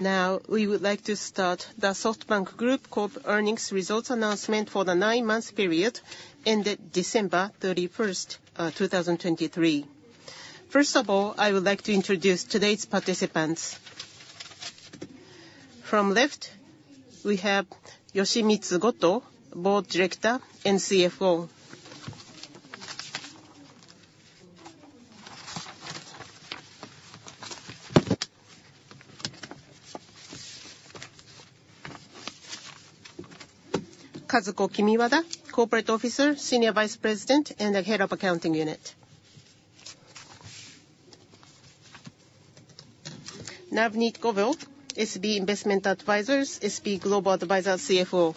Now, we would like to start the SoftBank Group Corp. earnings results announcement for the nine-month period ended December 31, 2023. First of all, I would like to introduce today's participants. From left, we have Yoshimitsu Goto, Board Director and CFO. Kazuko Kimiwada, Corporate Officer, Senior Vice President and the Head of Accounting Unit. Navneet Govil, SB Investment Advisers, SB Global Advisers, CFO.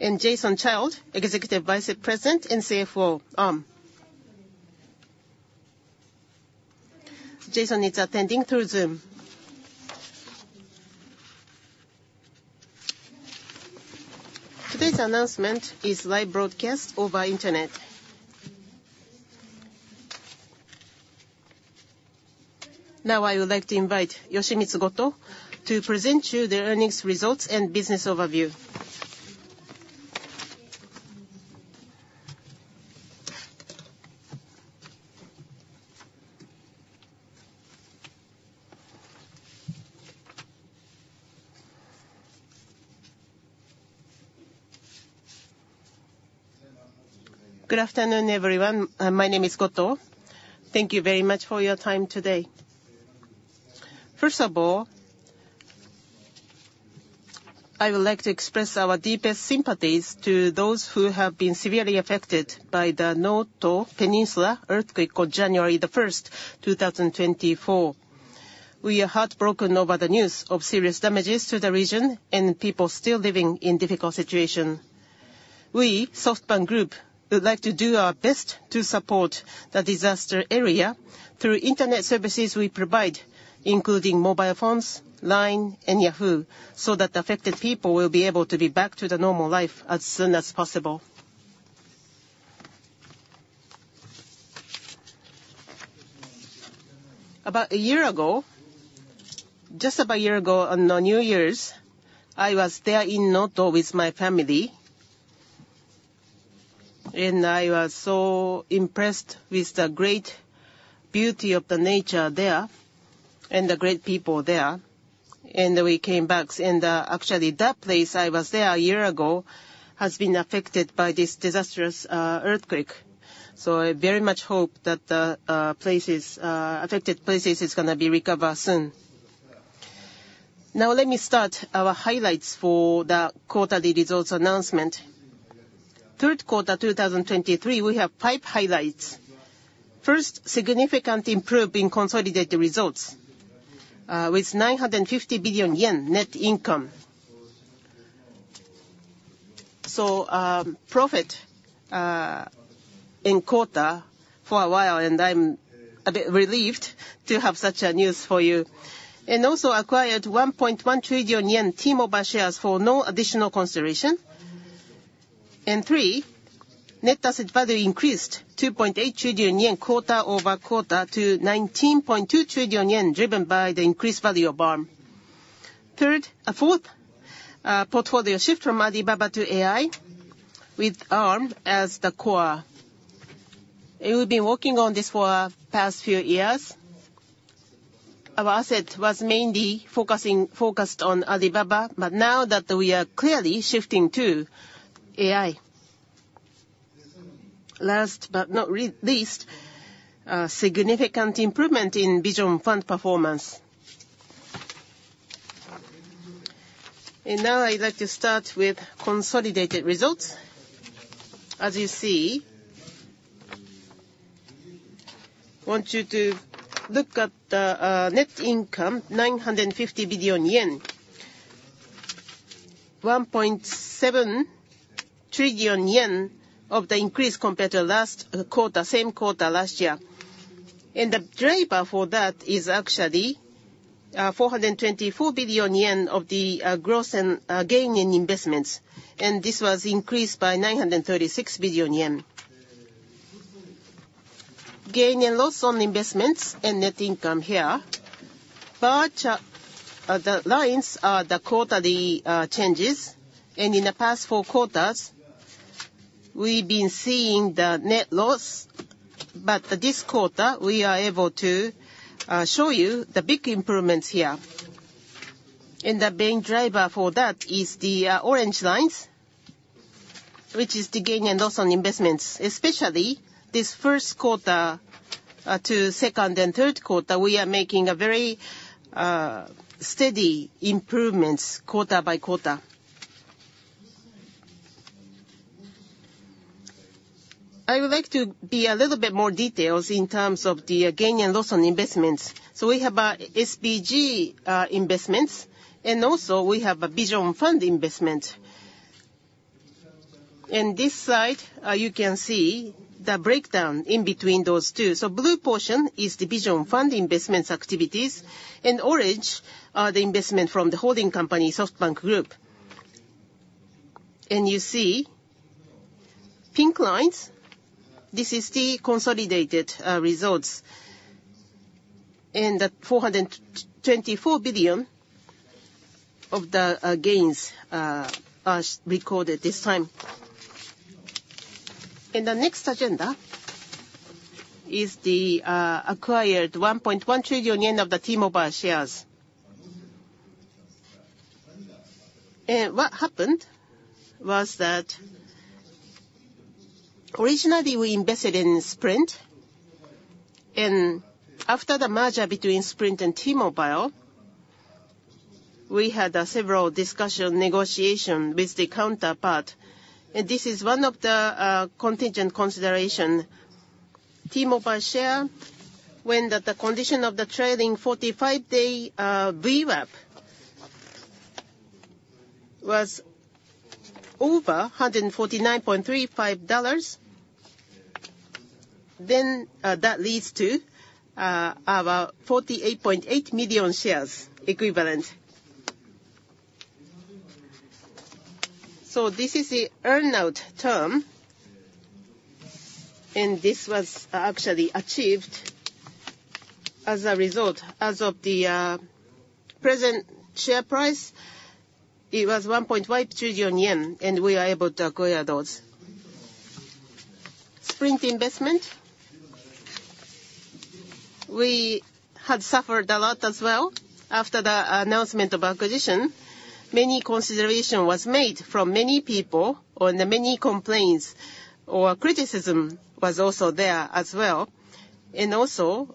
And Jason Child, Executive Vice President and CFO, Arm. Jason is attending through Zoom. Today's announcement is live broadcast over internet. Now, I would like to invite Yoshimitsu Goto to present you the earnings results and business overview. Good afternoon, everyone. My name is Goto. Thank you very much for your time today. First of all, I would like to express our deepest sympathies to those who have been severely affected by the Noto Peninsula earthquake on January 1, 2024. We are heartbroken over the news of serious damages to the region and people still living in difficult situation. We, SoftBank Group, would like to do our best to support the disaster area through internet services we provide, including mobile phones, LINE and Yahoo, so that the affected people will be able to be back to the normal life as soon as possible. About a year ago, just about a year ago on the New Year's, I was there in Noto with my family. I was so impressed with the great beauty of the nature there and the great people there. We came back, and, actually, that place I was there a year ago has been affected by this disastrous earthquake. So I very much hope that the affected places is gonna be recover soon. Now let me start our highlights for the quarterly results announcement. Third quarter, 2023, we have 5 highlights. First, significant improvement in consolidated results, with 950 billion yen net income. So, profit in quarter for a while, and I'm a bit relieved to have such a news for you. And also acquired 1.1 trillion yen T-Mobile shares for no additional consideration. And three, net asset value increased 2.8 trillion yen, quarter-over-quarter, to 19.2 trillion yen, driven by the increased value of Arm. Third, fourth, portfolio shift from Alibaba to AI, with Arm as the core. We've been working on this for the past few years. Our asset was mainly focusing, focused on Alibaba, but now that we are clearly shifting to AI. Last but not the least, a significant improvement in Vision Fund performance. And now, I'd like to start with consolidated results. As you see, want you to look at the net income, 950 billion yen. 1.7 trillion yen of the increase compared to last quarter, same quarter last year. And the driver for that is actually 424 billion yen of the gross and gain in investments, and this was increased by 936 billion yen. Gain and loss on investments and net income here. But the lines are the quarterly changes, and in the past four quarters, we've been seeing the net loss. But this quarter, we are able to show you the big improvements here. And the main driver for that is the orange lines, which is the gain and loss on investments. Especially this first quarter to second and third quarter, we are making a very steady improvements, quarter by quarter. I would like to be a little bit more details in terms of the gain and loss on investments. So we have SBG investments, and also we have a Vision Fund investment. In this slide, you can see the breakdown in between those two. So blue portion is the Vision Fund investments activities, and orange are the investment from the holding company, SoftBank Group, and you see pink lines. This is the consolidated results, and 424 billion of the gains are recorded this time. And the next agenda is the acquired 1.1 trillion yen of the T-Mobile shares. And what happened was that, originally, we invested in Sprint, and after the merger between Sprint and T-Mobile, we had several discussion, negotiation with the counterpart, and this is one of the contingent consideration. T-Mobile share, when the condition of the 45-day VWAP was over $149.35, then that leads to our 48.8 million shares equivalent. So this is the earn-out term, and this was actually achieved as a result. As of the present share price, it was 1.1 trillion yen, and we are able to acquire those. Sprint investment. We had suffered a lot as well. After the announcement of acquisition, many consideration was made from many people, or the many complaints or criticism was also there as well. Also,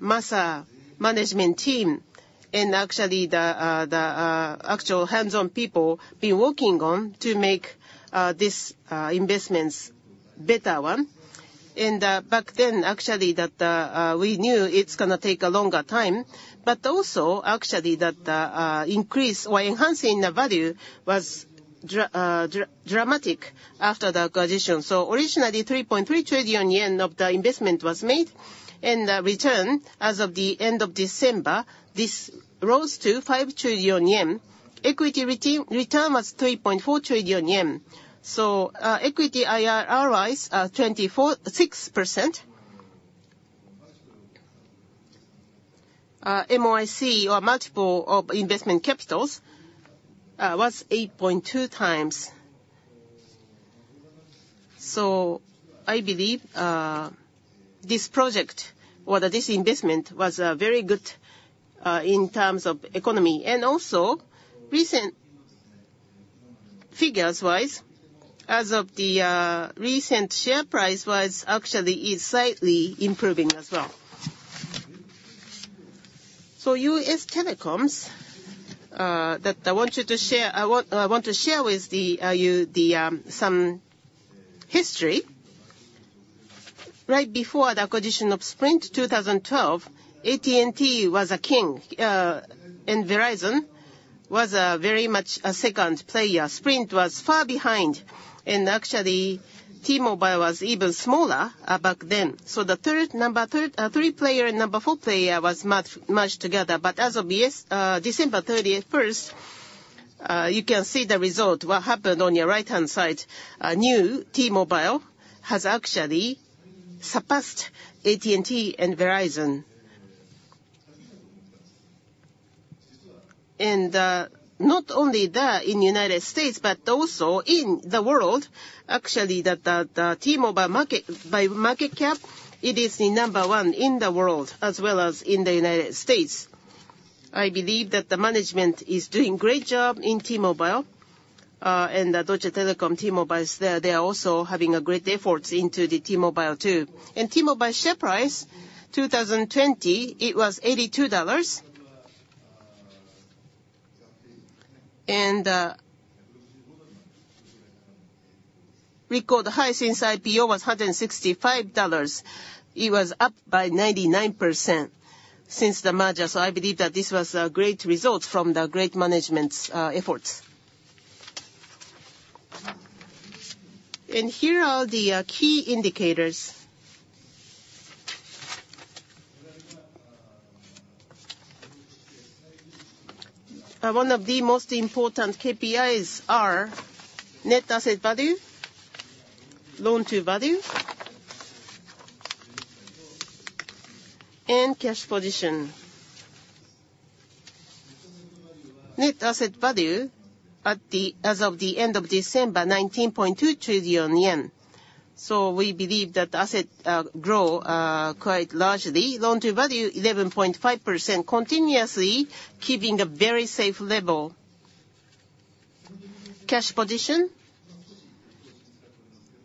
Masa management team, and actually the actual hands-on people be working on to make this investments better one. And back then, actually, we knew it's gonna take a longer time, but also actually that the increase or enhancing the value was dramatic after the acquisition. So originally, 3.3 trillion yen of the investment was made, and return, as of the end of December, this rose to 5 trillion yen. Equity return was 3.4 trillion yen. So equity IRRs are 24.6%. MOIC, or multiple of invested capital, was 8.2x. So I believe this project or that this investment was very good in terms of economy. Also, recent figures-wise, as of the recent share price-wise, actually is slightly improving as well. So U.S. telecoms, I want to share with you some history. Right before the acquisition of Sprint, 2012, AT&T was a king, and Verizon was very much a second player. Sprint was far behind, and actually, T-Mobile was even smaller back then. So the third, number three player and number four player was merged together. But as of yesterday, December 31st, you can see the result, what happened on your right-hand side. New T-Mobile has actually surpassed AT&T and Verizon. Not only that in the United States, but also in the world, actually, the T-Mobile market, by market cap, it is the number one in the world, as well as in the United States. I believe that the management is doing great job in T-Mobile, and the Deutsche Telekom, T-Mobile, they are also having a great efforts into the T-Mobile, too. T-Mobile share price, 2020, it was $82. Record high since IPO was $165. It was up by 99% since the merger, so I believe that this was a great result from the great management's efforts. Here are the key indicators. One of the most important KPIs are net asset value, loan-to-value, and cash position. Net asset value at the, as of the end of December, 19.2 trillion yen. So we believe that asset, grow, quite largely. Loan to value, 11.5%, continuously keeping a very safe level. Cash position,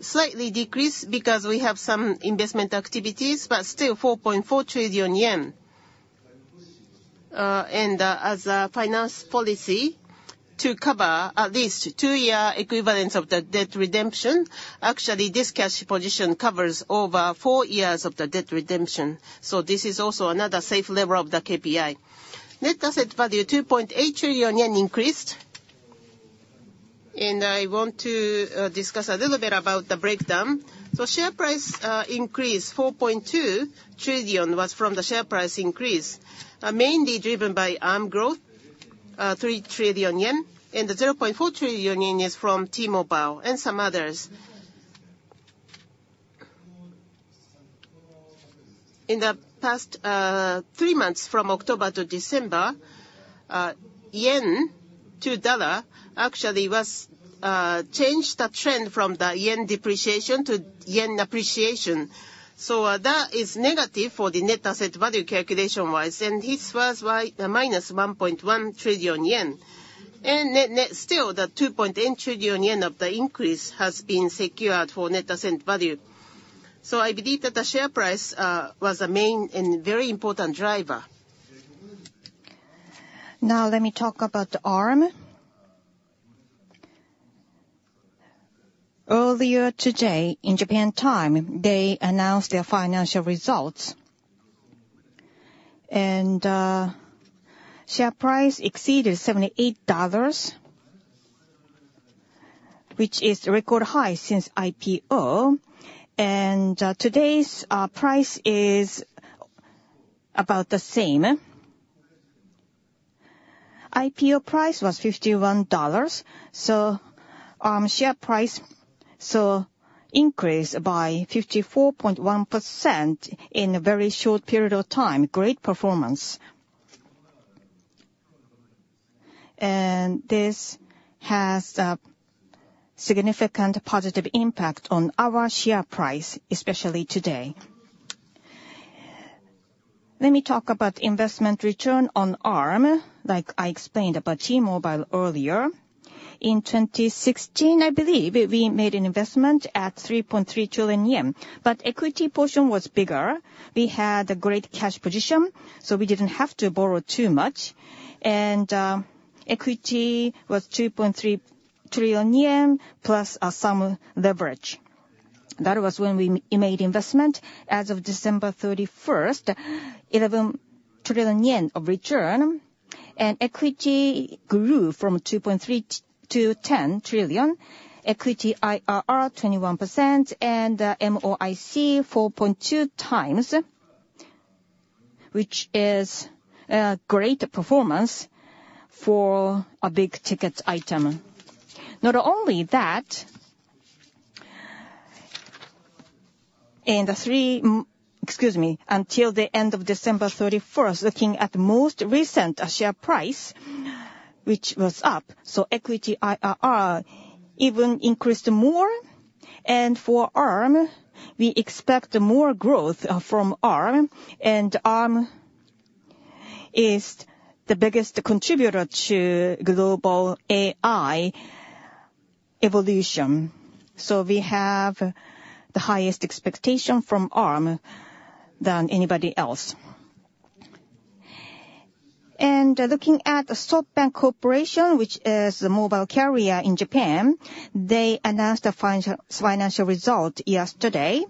slightly decreased because we have some investment activities, but still 4.4 trillion yen. And, as a finance policy to cover at least two year equivalence of the debt redemption, actually, this cash position covers over four years of the debt redemption, so this is also another safe level of the KPI. Net asset value, 2.8 trillion yen increased, and I want to, discuss a little bit about the breakdown. Share price increase, 4.2 trillion was from the share price increase, mainly driven by Arm growth, 3 trillion yen, and the 0.4 trillion yen is from T-Mobile and some others. ...In the past, three months from October to December, yen to dollar actually was changed the trend from the yen depreciation to yen appreciation. So, that is negative for the net asset value calculation-wise, and this was why the minus 1.1 trillion yen. And net-net, still, the 2.8 trillion yen of the increase has been secured for net asset value. So I believe that the share price was a main and very important driver. Now let me talk about Arm. Earlier today, in Japan time, they announced their financial results. And share price exceeded $78, which is record high since IPO, and today's price is about the same. IPO price was $51, so share price saw increase by 54.1% in a very short period of time, great performance. And this has a significant positive impact on our share price, especially today. Let me talk about investment return on Arm, like I explained about T-Mobile earlier. In 2016, I believe, we made an investment at 3.3 trillion yen, but equity portion was bigger. We had a great cash position, so we didn't have to borrow too much, and equity was 2.3 trillion yen, plus some leverage. That was when we made investment. As of December 31st, 11 trillion yen of return and equity grew from 2.3 trillion to 10 trillion. Equity IRR 21%, and MOIC 4.2x, which is great performance for a big ticket item. Not only that, until the end of December 31st, looking at the most recent share price, which was up, so equity IRR even increased more. And for Arm, we expect more growth from Arm, and Arm is the biggest contributor to global AI evolution. So we have the highest expectation from Arm than anybody else. And looking at the SoftBank Corporation, which is the mobile carrier in Japan, they announced a financial result yesterday.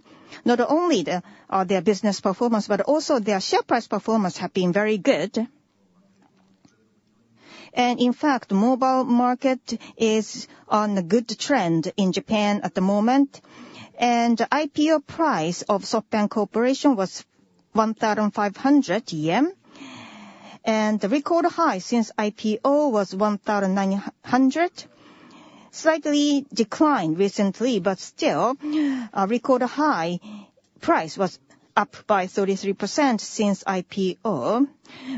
Not only their business performance, but also their share price performance have been very good. And in fact, mobile market is on a good trend in Japan at the moment. And IPO price of SoftBank Corporation was 1,500 yen, and the record high since IPO was 1,900. Slightly declined recently, but still, a record high price was up by 33% since IPO.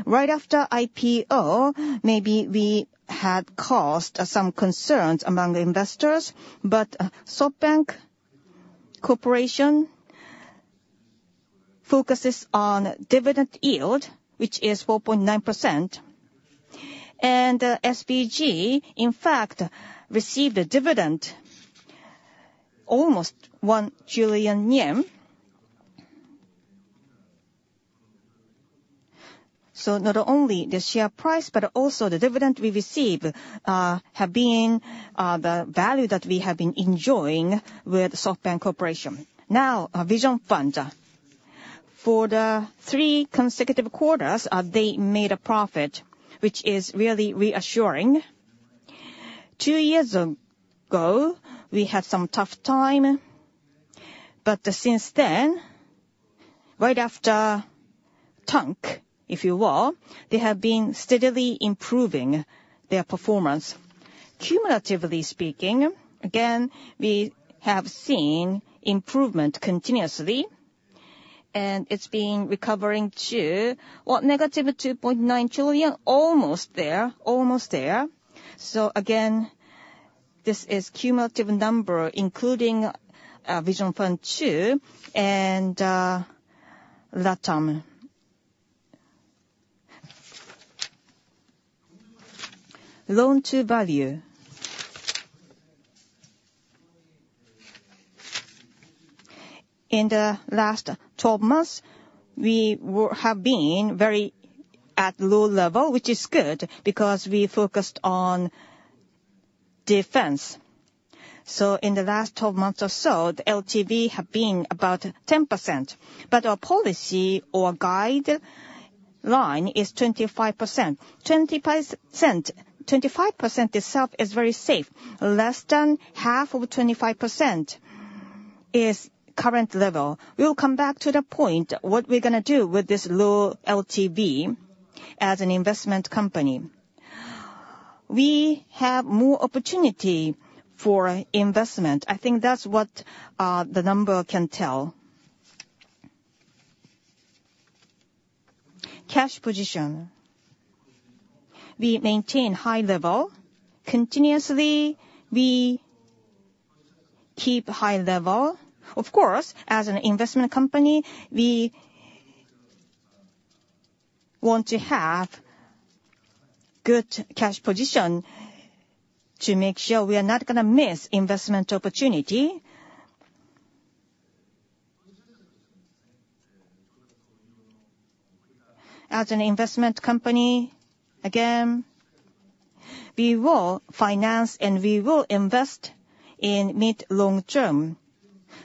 Right after IPO, maybe we had caused some concerns among the investors, but, SoftBank Corporation focuses on dividend yield, which is 4.9%. And, SBG, in fact, received a dividend, almost JPY 1 trillion. So not only the share price, but also the dividend we receive have been the value that we have been enjoying with SoftBank Corp. Now, our Vision Funds. For the three consecutive quarters, they made a profit, which is really reassuring. Two years ago, we had some tough time, but since then, right after tank, if you will, they have been steadily improving their performance. Cumulatively speaking, again, we have seen improvement continuously, and it's been recovering to, what, negative 2.9 trillion? Almost there, almost there. So again, this is cumulative number, including Vision Fund 2 and LatAm. Loan to value. In the last 12 months, we have been very at low level, which is good, because we focused on defense. So in the last 12 months or so, the LTV have been about 10%, but our policy or guideline is 25%. 25% itself is very safe, less than half of 25% is current level. We'll come back to the point, what we're gonna do with this low LTV as an investment company. We have more opportunity for investment. I think that's what the number can tell. Cash position. We maintain high level. Continuously, we keep high level. Of course, as an investment company, we want to have good cash position to make sure we are not gonna miss investment opportunity. As an investment company, again, we will finance and we will invest in mid-long term.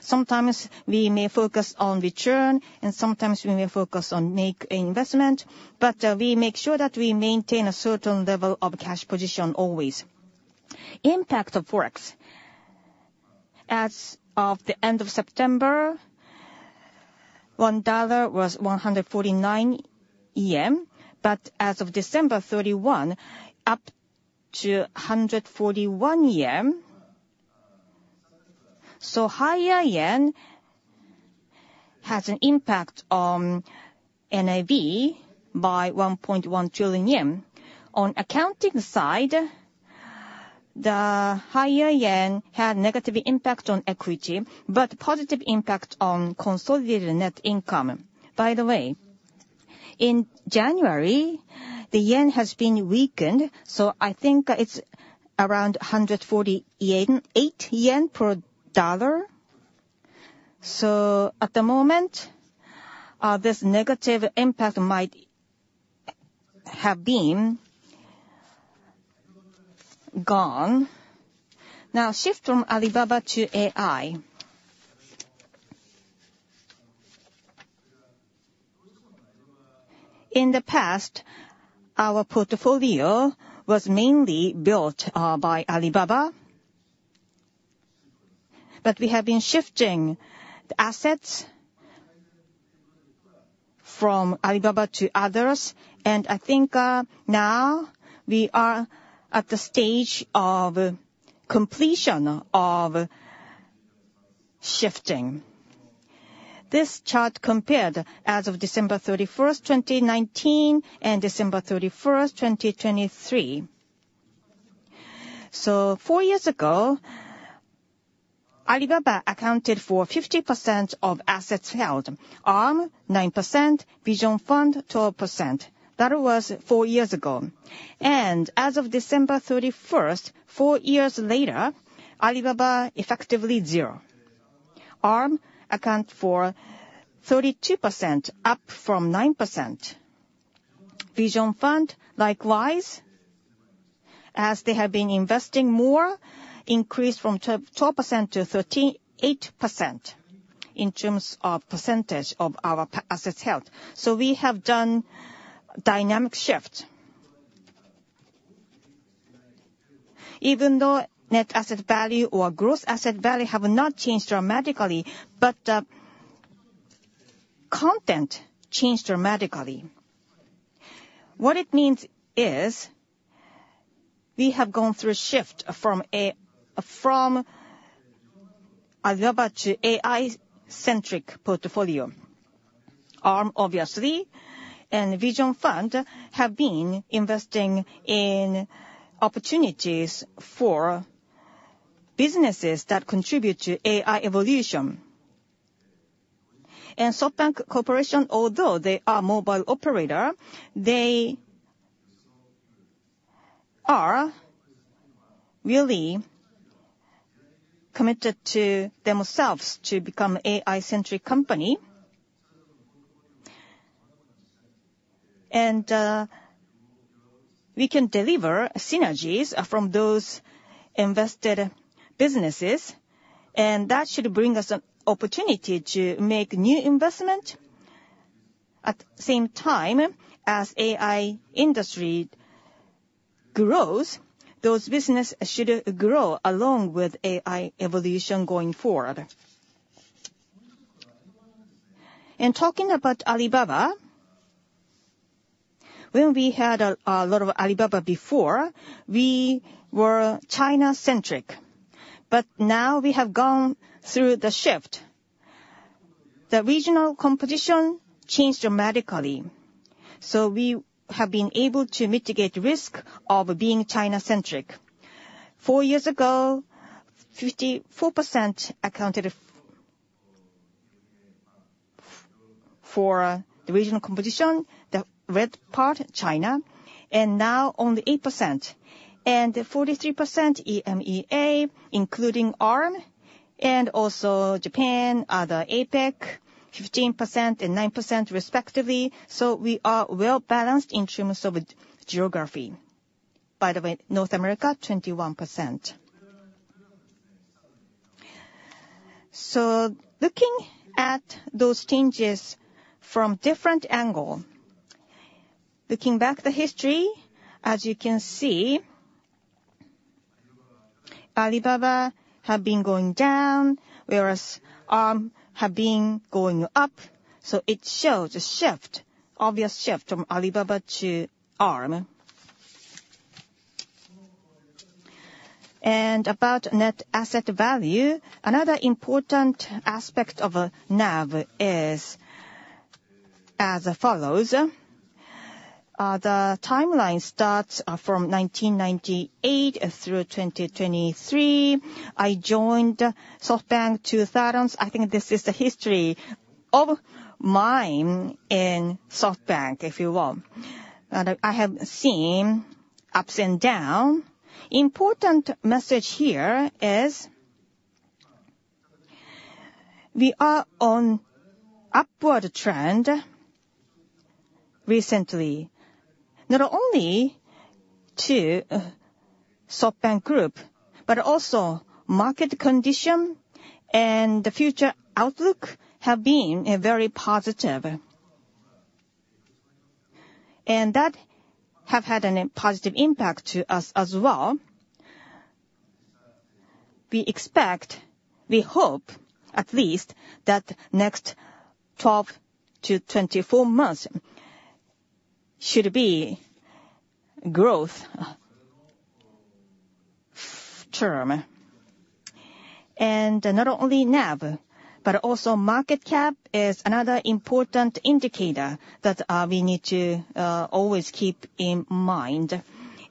Sometimes we may focus on return, and sometimes we may focus on make investment, but we make sure that we maintain a certain level of cash position always. Impact of Forex. As of the end of September, $1 was 149 yen, but as of December 31, up to 141 yen. So higher yen has an impact on NAV by 1.1 trillion yen. On accounting side, the higher yen had negative impact on equity, but positive impact on consolidated net income. By the way, in January, the yen has been weakened, so I think it's around 148 yen per dollar. So at the moment, this negative impact might have been gone. Now, shift from Alibaba to AI. In the past, our portfolio was mainly built by Alibaba, but we have been shifting the assets from Alibaba to others, and I think, now we are at the stage of completion of shifting. This chart compared as of December 31, 2019, and December 31, 2023. So four years ago, Alibaba accounted for 50% of assets held. Arm, 9%, Vision Fund, 12%. That was four years ago. As of December 31, four years later, Alibaba effectively 0%. Arm account for 32%, up from 9%. Vision Fund, likewise, as they have been investing more, increased from 12% to 18% in terms of percentage of our assets held. So we have done dynamic shift. Even though net asset value or gross asset value have not changed dramatically, but content changed dramatically. What it means is, we have gone through a shift from Alibaba to AI-centric portfolio. Arm, obviously, and Vision Fund have been investing in opportunities for businesses that contribute to AI evolution. SoftBank Corporation, although they are mobile operator, they are really committed to themselves to become AI-centric company. We can deliver synergies from those invested businesses, and that should bring us an opportunity to make new investment. At the same time, as AI industry grows, those businesses should grow along with AI evolution going forward. Talking about Alibaba, when we had a lot of Alibaba before, we were China-centric, but now we have gone through the shift. The regional composition changed dramatically, so we have been able to mitigate risk of being China-centric. Four years ago, 54% accounted for the regional composition, the red part, China, and now only 8%. And 43% EMEA, including Arm and also Japan, other APAC, 15% and 9% respectively, so we are well-balanced in terms of geography. By the way, North America, 21%. So looking at those changes from different angle, looking back the history, as you can see-... Alibaba have been going down, whereas, have been going up. So it shows a shift, obvious shift from Alibaba to Arm. About net asset value, another important aspect of, NAV is as follows: the timeline starts, from 1998 through 2023. I joined SoftBank 2000. I think this is the history of mine in SoftBank, if you want. And I have seen ups and down. Important message here is we are on upward trend recently, not only to SoftBank Group, but also market condition and the future outlook have been very positive. And that have had a positive impact to us as well. We expect, we hope, at least, that next 12-24 months should be growth term. And not only NAV, but also market cap is another important indicator that, we need to, always keep in mind.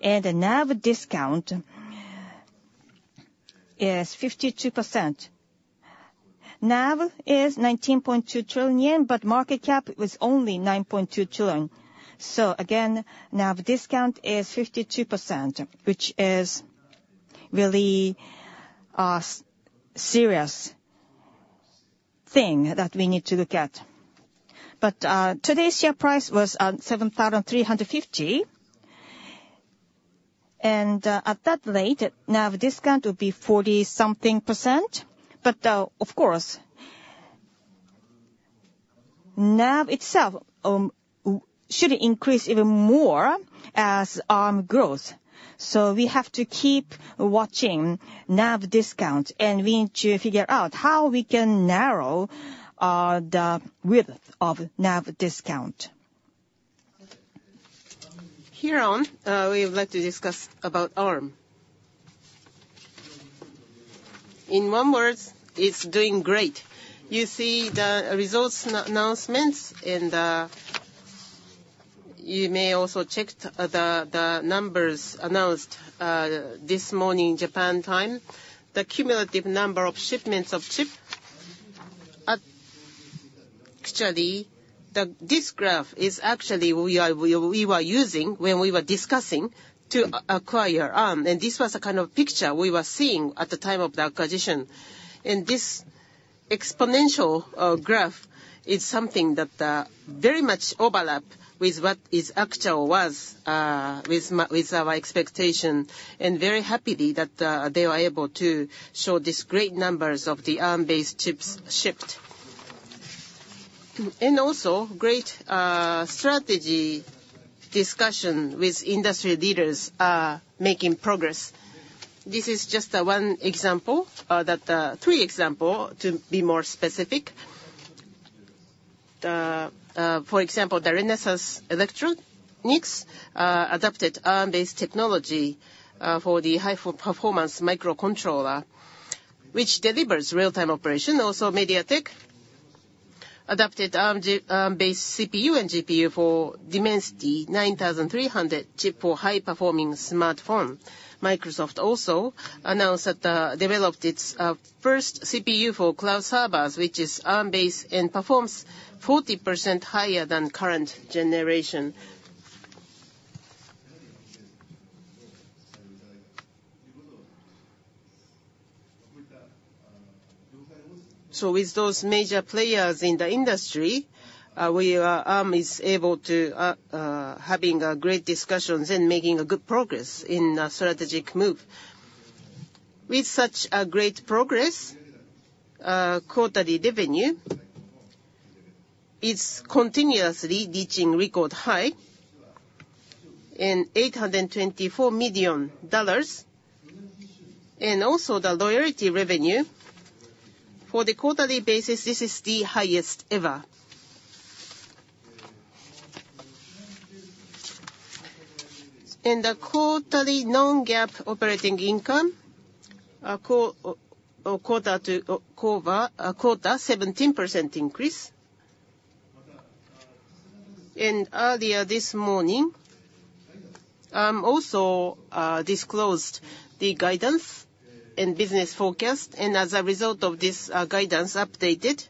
The NAV discount is 52%. NAV is 19.2 trillion yen, but market cap was only 9.2 trillion. So again, NAV discount is 52%, which is really a serious thing that we need to look at. But today's share price was at 7,350. And at that rate, NAV discount will be 40% something. But of course, NAV itself should increase even more as Arm grows. So we have to keep watching NAV discount, and we need to figure out how we can narrow the width of NAV discount. Here on, we would like to discuss about Arm. In one word, it's doing great. You see the results and announcements, and you may also check the numbers announced this morning, Japan time. The cumulative number of shipments of chip, actually, this graph is actually we were using when we were discussing to acquire Arm, and this was a kind of picture we were seeing at the time of the acquisition. And this exponential graph is something that very much overlap with what its actual was with our expectation, and very happy that they were able to show these great numbers of the Arm-based chips shipped. And also, great strategy discussion with industry leaders making progress. This is just one example that three example, to be more specific. For example, the Renesas Electronics adapted Arm-based technology for the high performance microcontroller, which delivers real-time operation. Also, MediaTek adapted Arm-based CPU and GPU for Dimensity 9300 chip for high-performing smartphone. Microsoft also announced that developed its first CPU for cloud servers, which is Arm-based and performs 40% higher than current generation. So with those major players in the industry, we are, Arm is able to having great discussions and making a good progress in a strategic move. With such a great progress, quarterly revenue is continuously reaching record high, and $824 million, and also the royalty revenue for the quarterly basis, this is the highest ever. And the quarterly non-GAAP operating income, quarter-to-quarter 17% increase. And earlier this morning, also disclosed the guidance and business forecast, and as a result of this, guidance updated.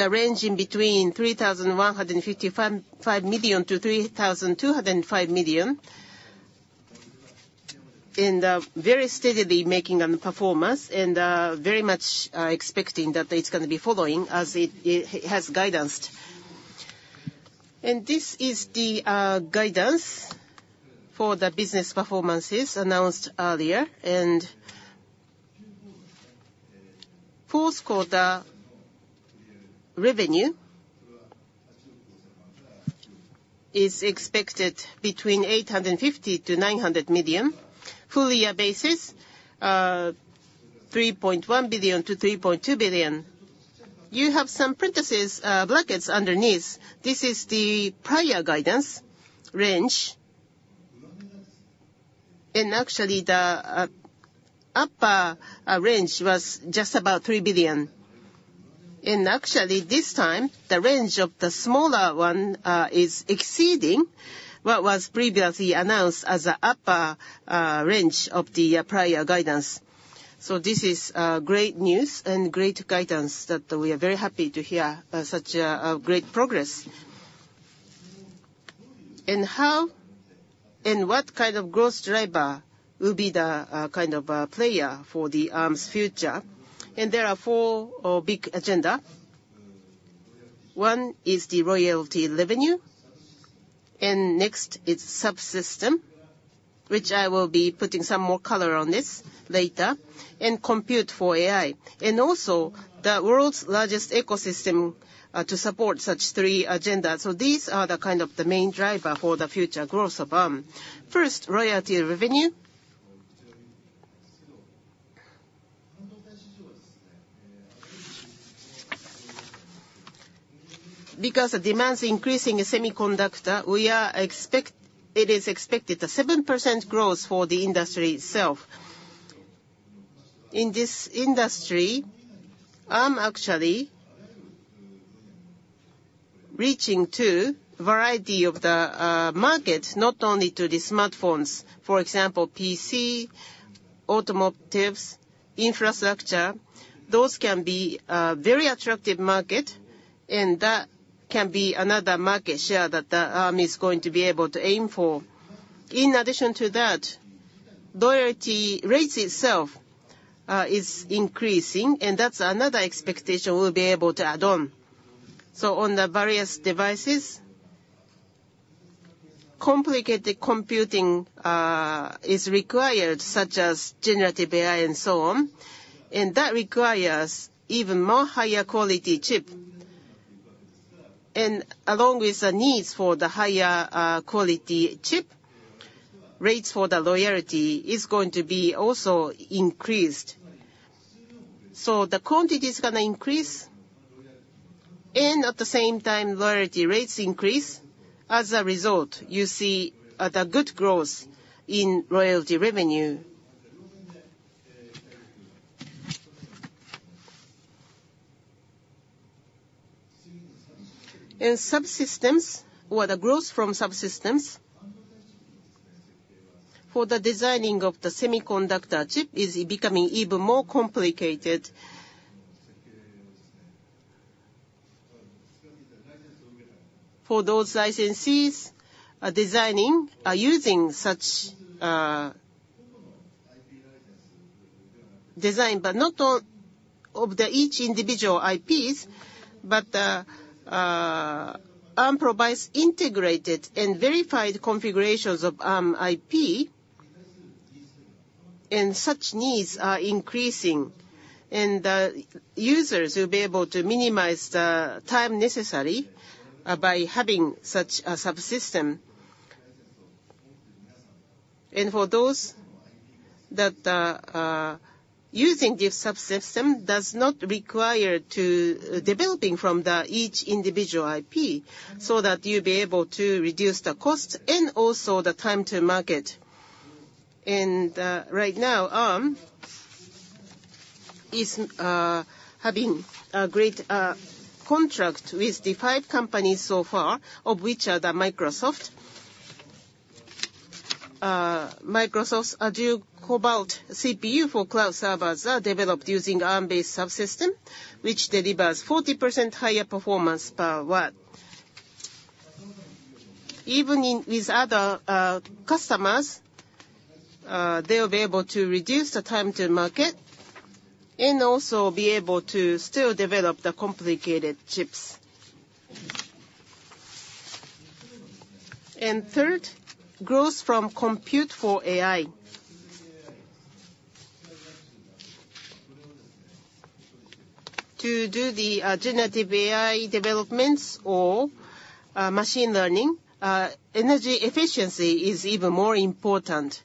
The range in between $3,155 million-$3,205 million, and very steadily making on the performance and very much expecting that it's gonna be following as it has guided. This is the guidance for the business performances announced earlier, and fourth quarter revenue is expected between $850 million-$900 million. Full year basis, $3.1 billion-$3.2 billion. You have some parentheses, brackets underneath. This is the prior guidance range, and actually the upper range was just about $3 billion. And actually, this time, the range of the smaller one is exceeding what was previously announced as a upper range of the prior guidance. So this is great news and great guidance that we are very happy to hear such a great progress. And how and what kind of growth driver will be the kind of player for the Arm's future? And there are four big agenda. One is the royalty revenue, and next is subsystem, which I will be putting some more color on this later, and compute for AI, and also the world's largest ecosystem to support such three agenda. So these are the kind of the main driver for the future growth of Arm. First, royalty revenue. Because the demand is increasing in semiconductor, it is expected a 7% growth for the industry itself. In this industry, Arm actually reaching to variety of the markets, not only to the smartphones, for example, PC, automotive, infrastructure. Those can be a very attractive market, and that can be another market share that the Arm is going to be able to aim for. In addition to that, royalty rates itself is increasing, and that's another expectation we'll be able to add on. So on the various devices, complicated computing is required, such as generative AI and so on, and that requires even more higher quality chip. And along with the needs for the higher quality chip, rates for the royalty is going to be also increased. So the quantity is gonna increase, and at the same time, royalty rates increase. As a result, you see, the good growth in royalty revenue. And subsystems or the growth from subsystems for the designing of the semiconductor chip is becoming even more complicated. For those licensees are designing, are using such, design, but not all of the each individual IPs, but Arm provides integrated and verified configurations of Arm IP, and such needs are increasing. The users will be able to minimize the time necessary, by having such a subsystem. For those that are, using this subsystem does not require to developing from the each individual IP, so that you'll be able to reduce the cost and also the time to market. Right now, Arm is, having a great, contract with the five companies so far, of which are the Microsoft. Microsoft's Azure Cobalt CPU for cloud servers are developed using Arm-based subsystem, which delivers 40% higher performance per watt. Even with other customers, they'll be able to reduce the time to market and also be able to still develop the complicated chips. And third, growth from compute for AI. To do the generative AI developments or machine learning, energy efficiency is even more important.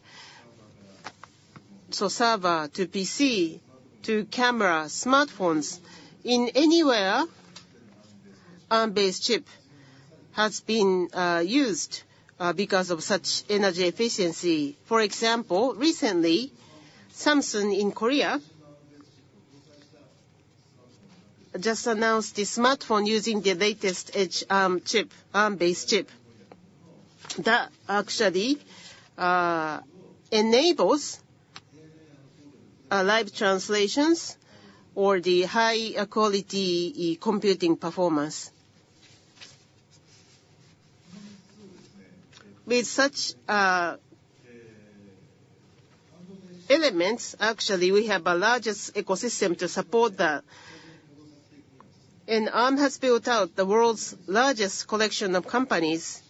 So server to PC, to camera, smartphones, anywhere, Arm-based chip has been used because of such energy efficiency. For example, recently, Samsung in Korea just announced a smartphone using the latest edge chip, Arm-based chip, that actually enables live translations or the high-quality edge computing performance. With such elements, actually, we have the largest ecosystem to support that, and Arm has built out the world's largest collection of companies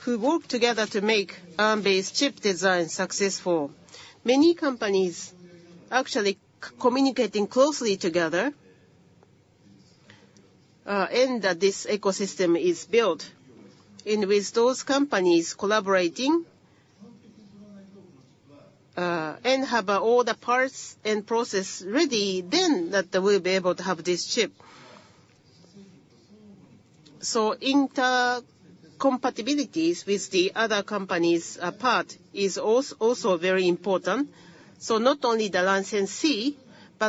who work together to make Arm-based chip design successful. Many companies actually communicating closely together, and that this ecosystem is built. With those companies collaborating, and have all the parts and process ready, then that they will be able to have this chip. So intercompatibilities with the other companies, part is also very important. So not only the licensee,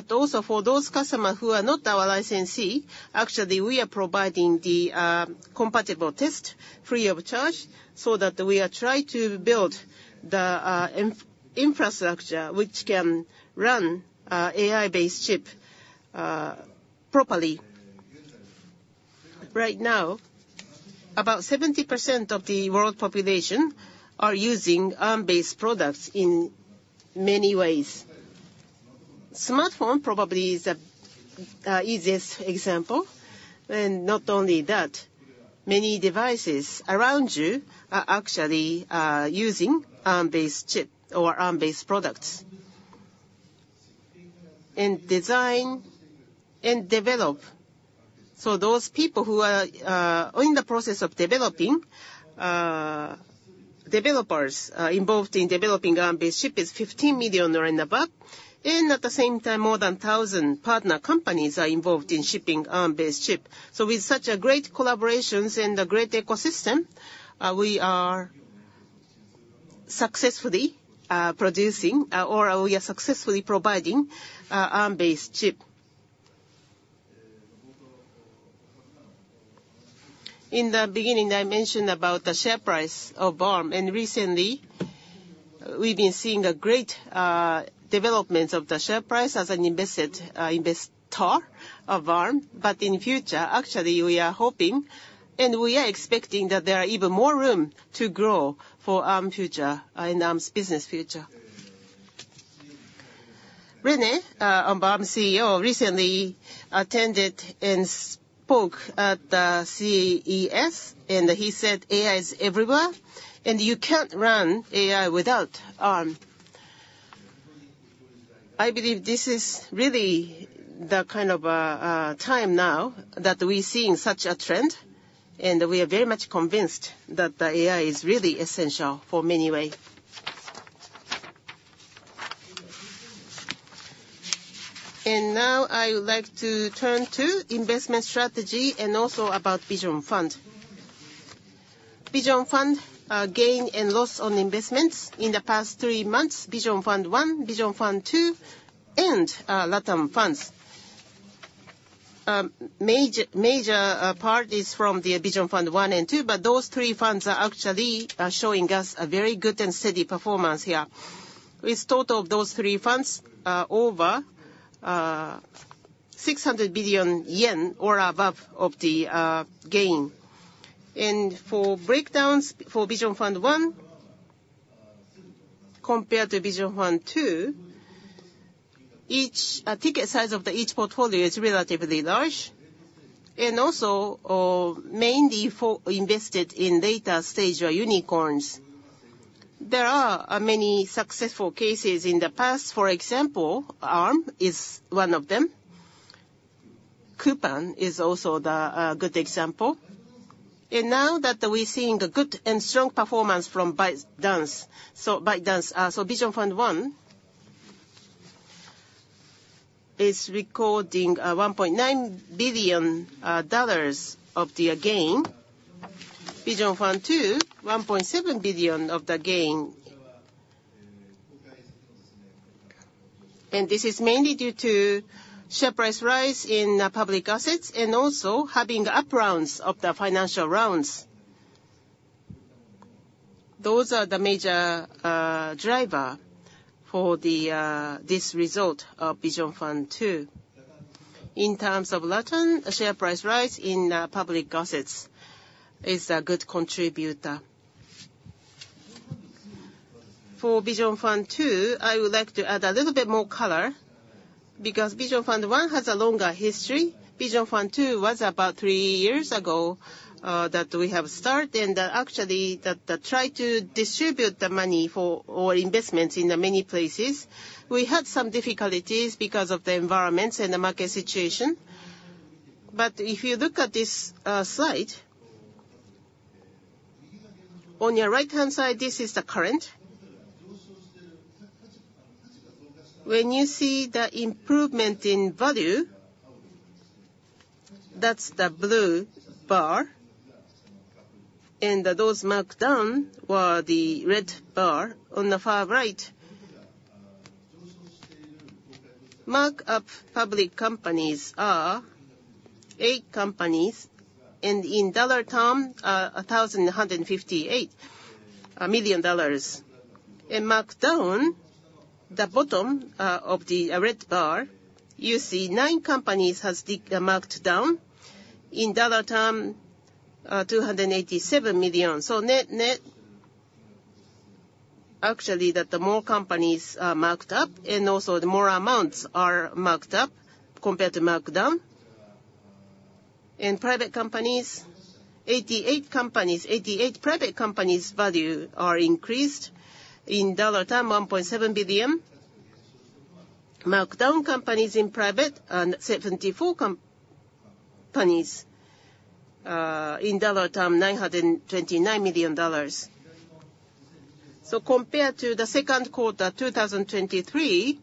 but also for those customer who are not our licensee, actually, we are providing the compatible test free of charge, so that we are try to build the infrastructure, which can run AI-based chip properly. Right now, about 70% of the world population are using Arm-based products in many ways. Smartphone probably is the easiest example. And not only that, many devices around you are actually using Arm-based chip or Arm-based products. And design and develop, so those people who are in the process of developing, developers involved in developing Arm-based chip is 15 million around about, and at the same time, more than 1,000 partner companies are involved in shipping Arm-based chip. So with such a great collaborations and a great ecosystem, we are successfully producing, or we are successfully providing, Arm-based chip. In the beginning, I mentioned about the share price of Arm, and recently, we've been seeing a great development of the share price as an invested investor of Arm. But in future, actually, we are hoping, and we are expecting that there are even more room to grow for Arm future and Arm's business future. Rene, Arm's CEO, recently attended and spoke at the CES, and he said, "AI is everywhere, and you can't run AI without Arm." I believe this is really the kind of time now that we're seeing such a trend, and we are very much convinced that the AI is really essential for many way. Now, I would like to turn to investment strategy and also about Vision Fund. Vision Fund, gain and loss on investments in the past three months, Vision Fund I, Vision Fund II, and LatAm Funds. Major part is from the Vision Fund I and II, but those three funds are actually showing us a very good and steady performance here. With total of those three funds, over 600 billion yen or above of the gain. For breakdowns for Vision Fund I compared to Vision Fund II, each ticket size of the each portfolio is relatively large, and also mainly for invested in later-stage unicorns. There are many successful cases in the past. For example, Arm is one of them. Coupang is also the good example. Now that we're seeing a good and strong performance from ByteDance, so ByteDance, so Vision Fund I is recording $1.9 billion dollars of the gain. Vision Fund II, $1.7 billion of the gain. This is mainly due to share price rise in public assets and also having up rounds of the financial rounds. Those are the major driver for the this result of Vision Fund II. In terms of LatAm, the share price rise in public assets is a good contributor. For Vision Fund II, I would like to add a little bit more color because Vision Fund I has a longer history. Vision Fund II was about three years ago that we have started, and actually the try to distribute the money for our investments in the many places, we had some difficulties because of the environments and the market situation. But if you look at this slide on your right-hand side, this is the current. When you see the improvement in value, that's the blue bar, and those marked down were the red bar. On the far right, mark-up public companies are eight companies, and in dollar term $1,158 million. And marked down, the bottom of the red bar, you see nine companies has marked down. In dollar term $287 million. So actually that the more companies are marked up, and also the more amounts are marked up compared to marked down. In private companies, 88 companies, 88 private companies' value are increased. In dollar terms, $1.7 billion. Marked down companies in private, 74 companies, in dollar terms, $929 million. So compared to the second quarter 2023,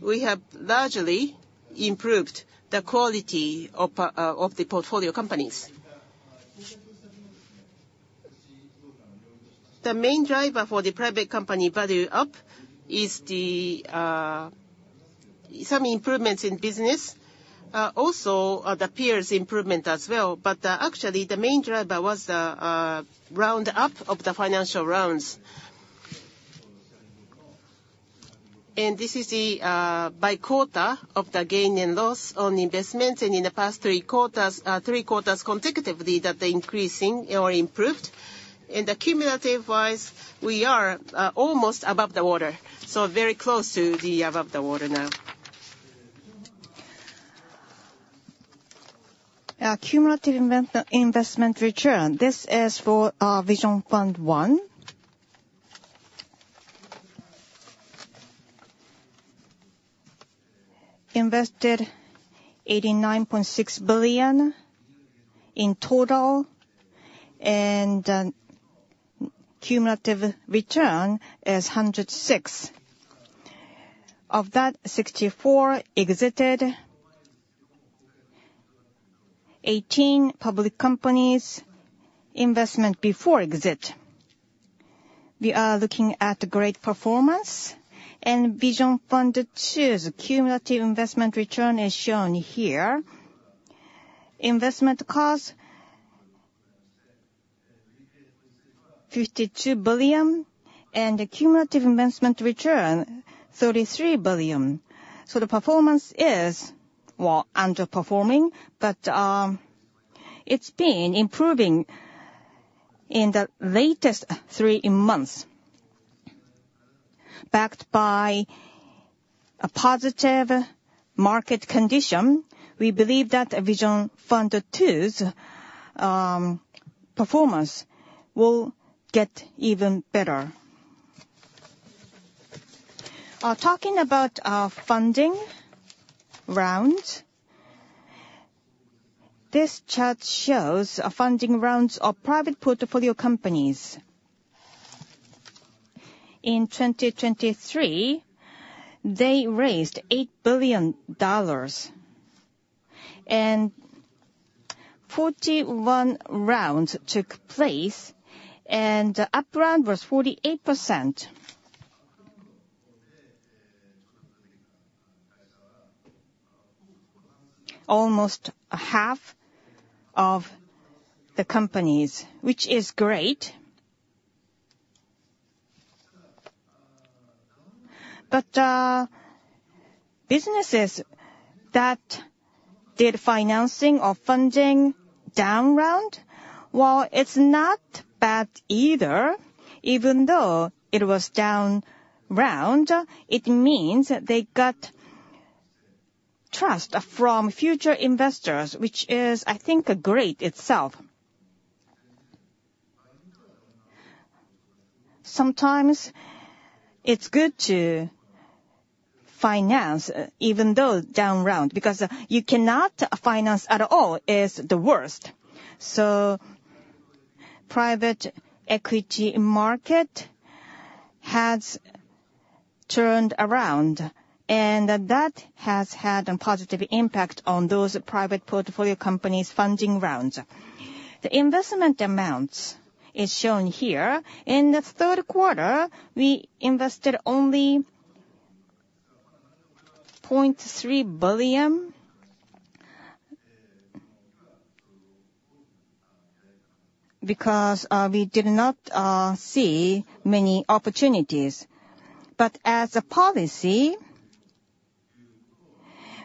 we have largely improved the quality of the portfolio companies. The main driver for the private company value up is the some improvements in business, also the peers improvement as well. But actually, the main driver was the round up of the financial rounds. And this is the by quarter of the gain and loss on investment, and in the past three quarters, three quarters consecutively, that they're increasing or improved. The cumulative-wise, we are almost above the water, so very close to above the water now. Our cumulative investment return, this is for our Vision Fund I. Invested $89.6 billion in total, and cumulative return is $106 billion. Of that, $64 billion exited, 18 public companies investment before exit. We are looking at great performance, and Vision Fund II cumulative investment return is shown here. Investment cost, $52 billion, and the cumulative investment return, $33 billion. So the performance is, well, underperforming, but it's been improving in the latest 3 months. Backed by a positive market condition, we believe that Vision Fund II performance will get even better. Talking about our funding rounds, this chart shows our funding rounds of private portfolio companies. In 2023, they raised $8 billion, and 41 rounds took place, and up round was 48%. Almost a half of the companies, which is great. But, businesses that did financing or funding down round, well, it's not bad either. Even though it was down round, it means that they got trust from future investors, which is, I think, a great itself. Sometimes it's good to finance even though down round, because you cannot finance at all is the worst. So private equity market has turned around, and that has had a positive impact on those private portfolio companies' funding rounds. The investment amounts is shown here. In the third quarter, we invested only $0.3 billion, because we did not see many opportunities. But as a policy,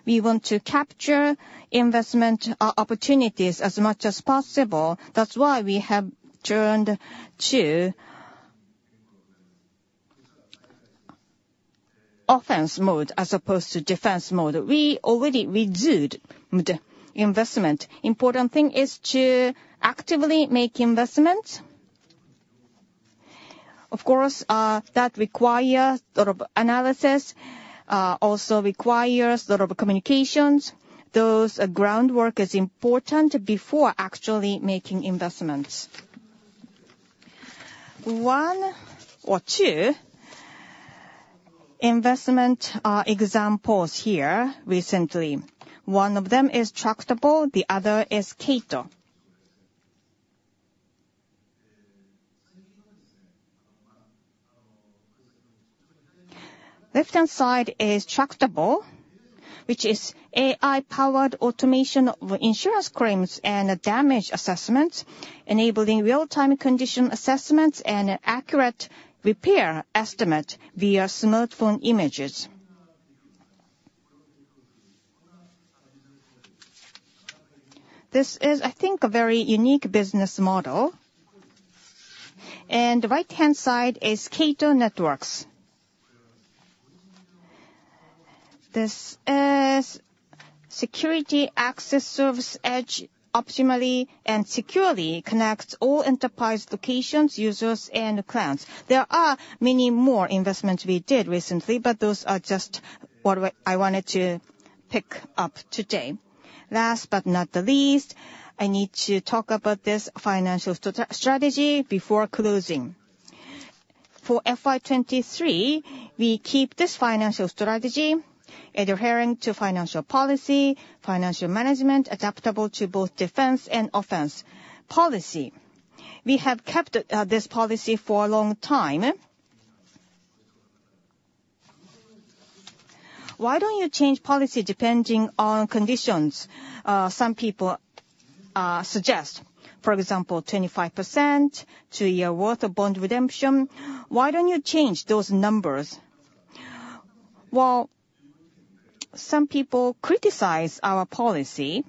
we want to capture investment opportunities as much as possible. That's why we have turned to offense mode as opposed to defense mode. We already reduced the investment. Important thing is to actively make investments. Of course, that requires lot of analysis, also requires lot of communications. Those groundwork is important before actually making investments. One or two investment examples here recently. One of them is Tractable, the other is Cato. Left-hand side is Tractable, which is AI-powered automation of insurance claims and damage assessments, enabling real-time condition assessments and accurate repair estimate via smartphone images. ... This is, I think, a very unique business model. The right-hand side is Cato Networks. This is security access service edge, optimally and securely connects all enterprise locations, users, and clouds. There are many more investments we did recently, but those are just what I wanted to pick up today. Last but not the least, I need to talk about this financial strategy before closing. For FY23, we keep this financial strategy adherent to financial policy, financial management, adaptable to both defense and offense policy. We have kept this policy for a long time, eh? Why don't you change policy depending on conditions? Some people suggest, for example, 25% to a year worth of bond redemption. Why don't you change those numbers? Well, some people criticize our policy.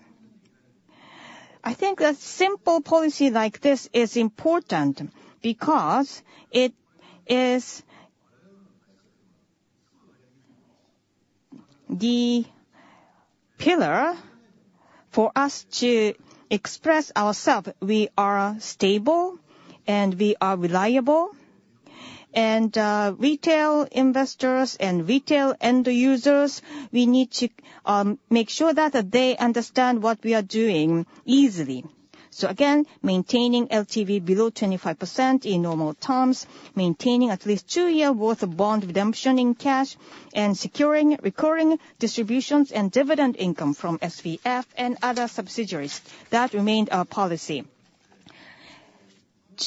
I think a simple policy like this is important because it is the pillar for us to express ourselves. We are stable and we are reliable, and retail investors and retail end users, we need to make sure that they understand what we are doing easily. So again, maintaining LTV below 25% in normal terms, maintaining at least 2 years' worth of bond redemption in cash, and securing recurring distributions and dividend income from SVF and other subsidiaries. That remained our policy.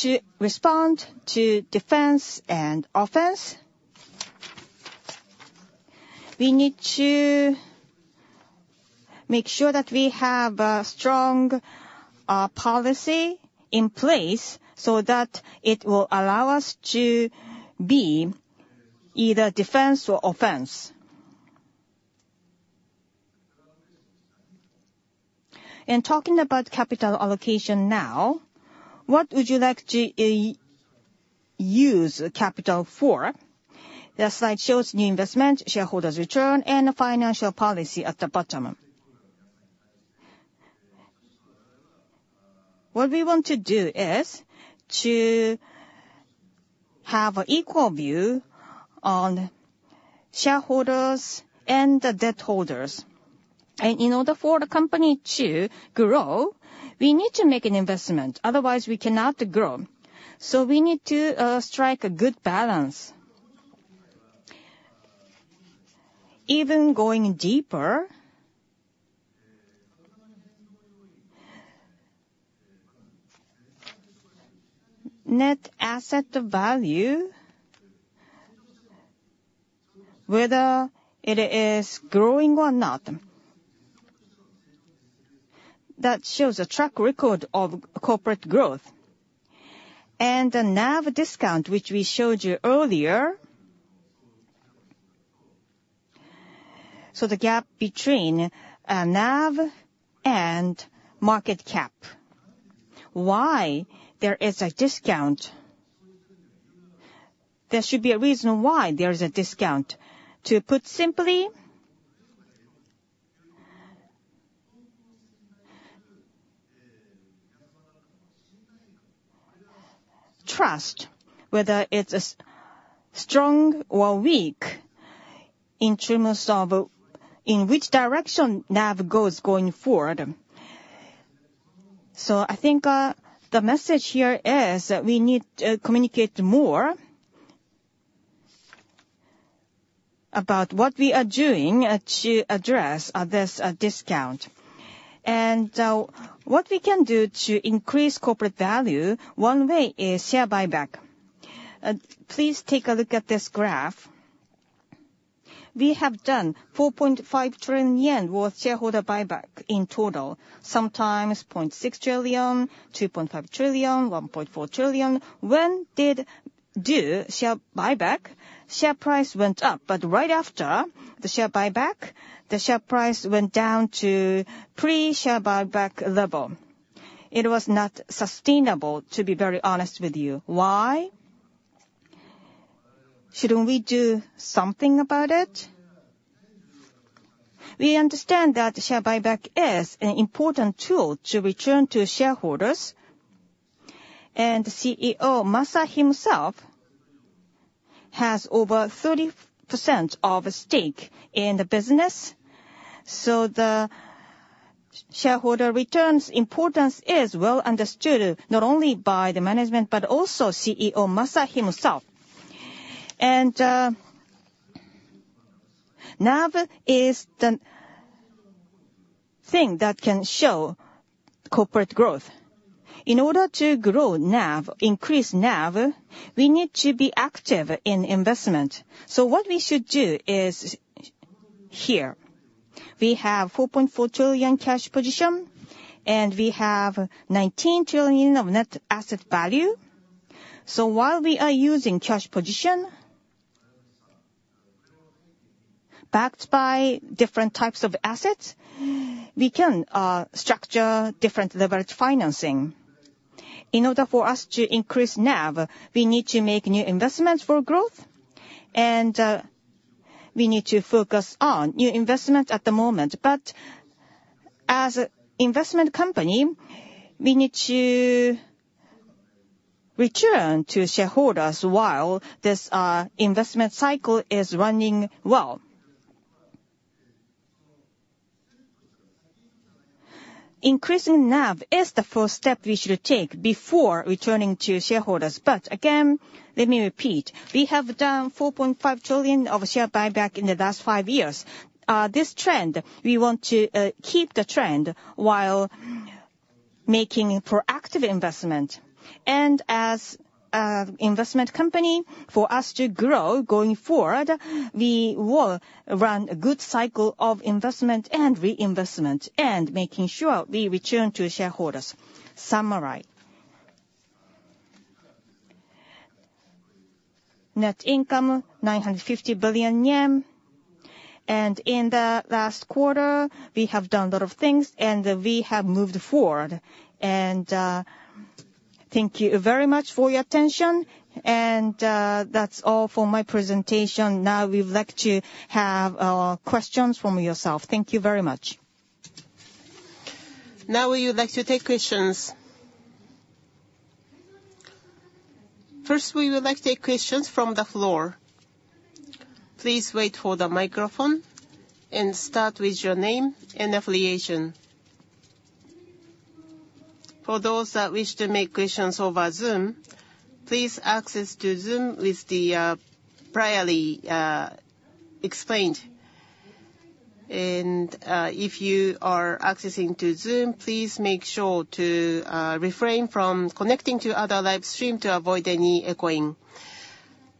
To respond to defense and offense, we need to make sure that we have a strong policy in place so that it will allow us to be either defense or offense. And talking about capital allocation now, what would you like to use capital for? The slide shows new investment, shareholders' return, and a financial policy at the bottom. What we want to do is to have an equal view on shareholders and the debt holders. In order for the company to grow, we need to make an investment, otherwise, we cannot grow. We need to strike a good balance. Even going deeper, net asset value, whether it is growing or not, that shows a track record of corporate growth and a NAV discount, which we showed you earlier. The gap between NAV and market cap, why there is a discount? There should be a reason why there is a discount. To put simply... trust, whether it's strong or weak in terms of in which direction NAV goes going forward. I think the message here is that we need to communicate more about what we are doing to address this discount. What we can do to increase corporate value, one way is share buyback. Please take a look at this graph. We have done 4.5 trillion yen worth shareholder buyback in total, sometimes 0.6 trillion, 2.5 trillion, 1.4 trillion. When did do share buyback, share price went up, but right after the share buyback, the share price went down to pre-share buyback level. It was not sustainable, to be very honest with you. Why? Shouldn't we do something about it? We understand that the share buyback is an important tool to return to shareholders, and CEO Masa himself has over 30% of stake in the business. So the shareholder returns importance is well understood, not only by the management, but also CEO Masa himself. NAV is the thing that can show corporate growth. In order to grow NAV, increase NAV, we need to be active in investment. So what we should do is here. We have 4.4 trillion cash position, and we have 19 trillion of net asset value. So while we are using cash position- ... backed by different types of assets, we can structure different leverage financing. In order for us to increase NAV, we need to make new investments for growth, and we need to focus on new investment at the moment. But as a investment company, we need to return to shareholders while this investment cycle is running well. Increasing NAV is the first step we should take before returning to shareholders. But again, let me repeat, we have done 4.5 trillion of share buyback in the last five years. This trend, we want to keep the trend while making proactive investment. And as a investment company, for us to grow going forward, we will run a good cycle of investment and reinvestment, and making sure we return to shareholders. Summary. Net income, 950 billion yen. In the last quarter, we have done a lot of things, and we have moved forward. Thank you very much for your attention, and that's all for my presentation. Now, we'd like to have questions from yourself. Thank you very much. Now, we would like to take questions. First, we would like to take questions from the floor. Please wait for the microphone and start with your name and affiliation. For those that wish to make questions over Zoom, please access to Zoom with the previously explained. If you are accessing to Zoom, please make sure to refrain from connecting to other live stream to avoid any echoing.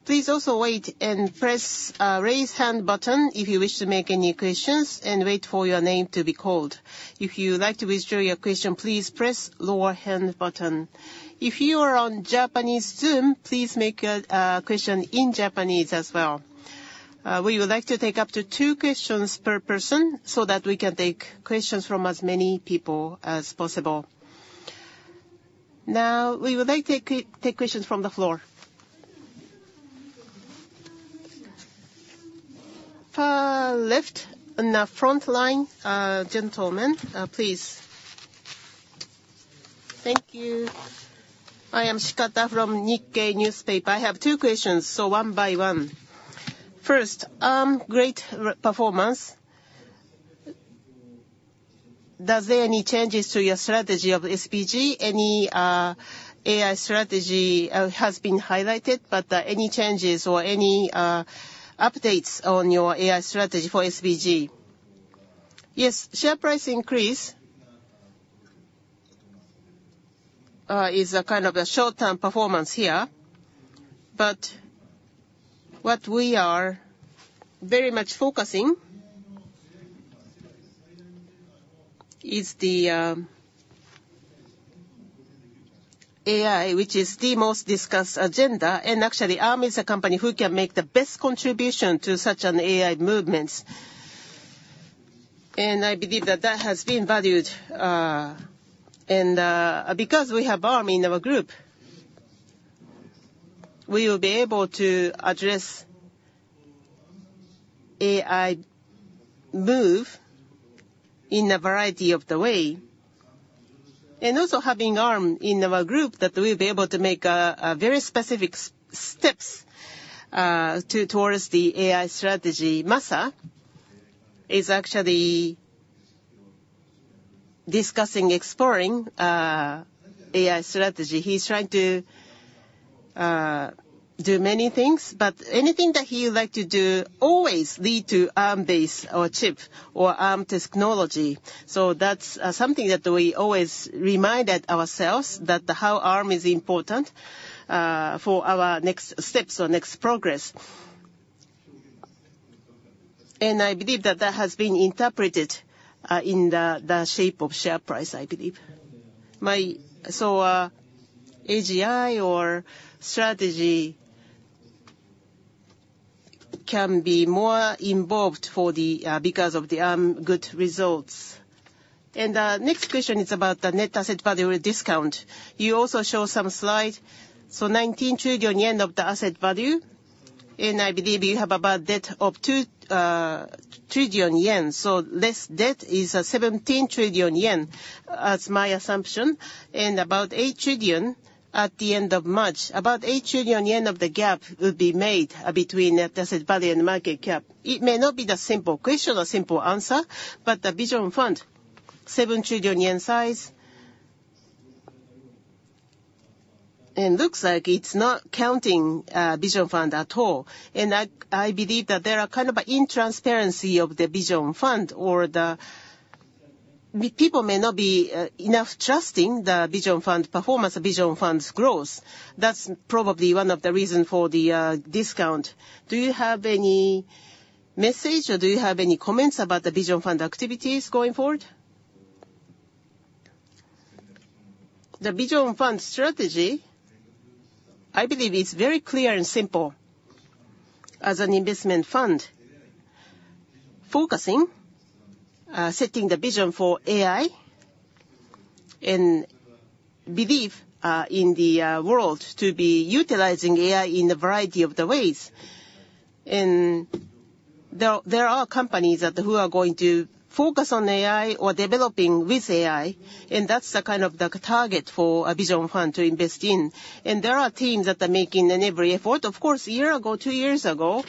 Please also wait and press raise hand button if you wish to make any questions, and wait for your name to be called. If you would like to withdraw your question, please press lower hand button. If you are on Japanese Zoom, please make a question in Japanese as well. We would like to take up to two questions per person, so that we can take questions from as many people as possible. Now, we would like to take questions from the floor. Left, on the front line, gentleman, please. Thank you. I am Shikata from Nikkei Newspaper. I have two questions, so one by one. First, great performance. Does there any changes to your strategy of SVG? Any AI strategy has been highlighted, but any changes or any updates on your AI strategy for SVG? Yes, share price increase is a kind of a short-term performance here, but what we are very much focusing is the AI, which is the most discussed agenda. And actually, Arm is a company who can make the best contribution to such an AI movements. And I believe that that has been valued. And because we have Arm in our group, we will be able to address AI move in a variety of the way. And also, having Arm in our group, that we'll be able to make a very specific steps towards the AI strategy. Masa is actually discussing, exploring AI strategy. He's trying to do many things, but anything that he would like to do always lead to Arm-based or chip or Arm technology. So that's something that we always reminded ourselves that how Arm is important for our next steps or next progress. And I believe that that has been interpreted in the shape of share price, I believe. My... So AGI our strategy can be more involved for the because of the good results. And next question is about the net asset value discount. You also show some slide, so 19 trillion yen of the asset value, and I believe you have about debt of 2 trillion yen. So less debt is seventeen trillion yen, that's my assumption, and about 8 trillion at the end of March. About 8 trillion yen of the gap will be made between net asset value and market cap. It may not be the simple question or simple answer, but the Vision Fund, 7 trillion yen size. Looks like it's not counting Vision Fund at all. I believe that there are kind of an intransparency of the Vision Fund or the... People may not be enough trusting the Vision Fund performance, Vision Fund's growth. That's probably one of the reason for the discount. Do you have any message or do you have any comments about the Vision Fund activities going forward? The Vision Fund strategy, I believe, is very clear and simple. As an investment fund, focusing, setting the vision for AI and believe in the world to be utilizing AI in a variety of the ways. There are companies that who are going to focus on AI or developing with AI, and that's the kind of the target for a Vision Fund to invest in. There are teams that are making an every effort. Of course, a year ago, two years ago,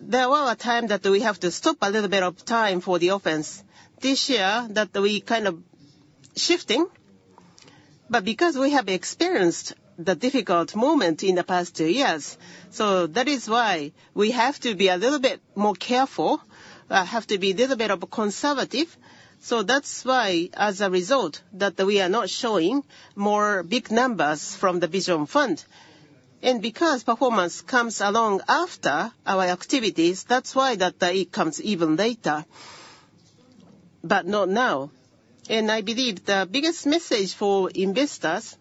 there were a time that we have to stop a little bit of time for the offense. This year, that we kind of shifting, but because we have experienced the difficult moment in the past two years, so that is why we have to be a little bit more careful, have to be a little bit of conservative. So that's why, as a result, that we are not showing more big numbers from the Vision Fund. And because performance comes along after our activities, that's why that, it comes even later, but not now. I believe the biggest message for investors,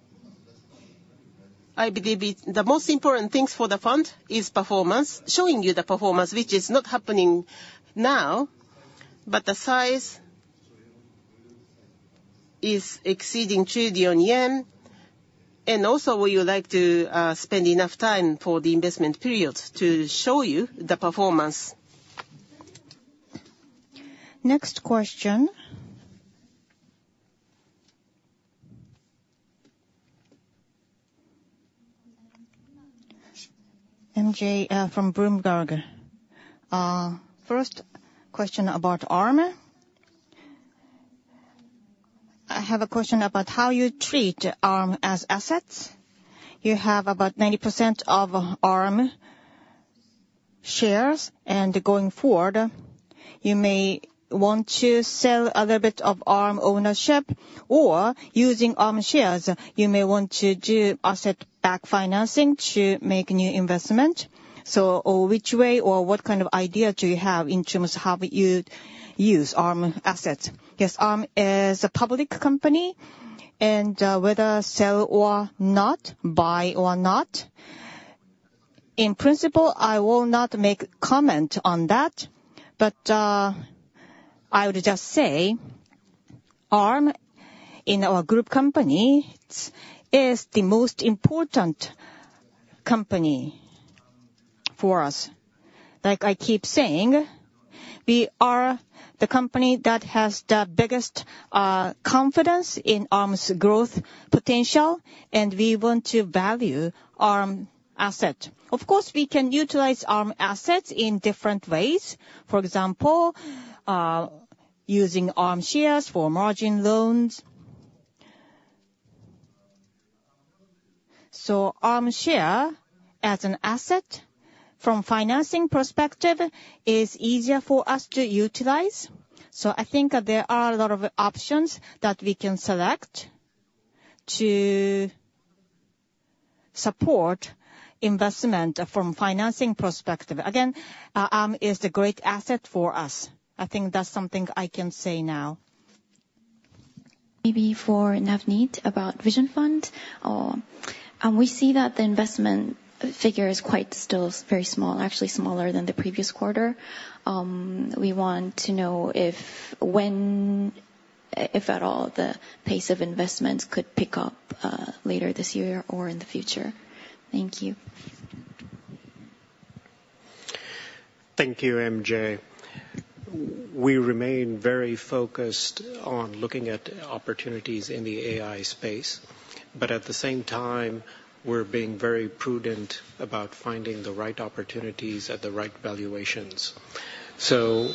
I believe it, the most important things for the fund is performance, showing you the performance, which is not happening now, but the size is exceeding 1 trillion yen. Also, we would like to spend enough time for the investment periods to show you the performance. Next question. MJ from Bloomberg. First question about Arm. I have a question about how you treat Arm as assets. You have about 90% of Arm shares, and going forward, you may want to sell a little bit of Arm ownership, or using Arm shares, you may want to do asset-backed financing to make new investment. So... or which way, or what kind of idea do you have in terms of how you use Arm assets? Yes, Arm is a public company, and whether sell or not, buy or not, in principle, I will not make comment on that. But I would just say Arm, in our group company, is the most important company for us. Like I keep saying, we are the company that has the biggest confidence in Arm's growth potential, and we want to value Arm asset. Of course, we can utilize Arm assets in different ways. For example, using Arm shares for margin loans. So Arm share as an asset from financing perspective is easier for us to utilize. So I think that there are a lot of options that we can select to support investment from financing perspective. Again, Arm is a great asset for us. I think that's something I can say now. Maybe for Navneet about Vision Fund. We see that the investment figure is quite still very small, actually smaller than the previous quarter. We want to know if, when, if at all, the pace of investments could pick up, later this year or in the future. Thank you. Thank you, MJ. We remain very focused on looking at opportunities in the AI space, but at the same time, we're being very prudent about finding the right opportunities at the right valuations. So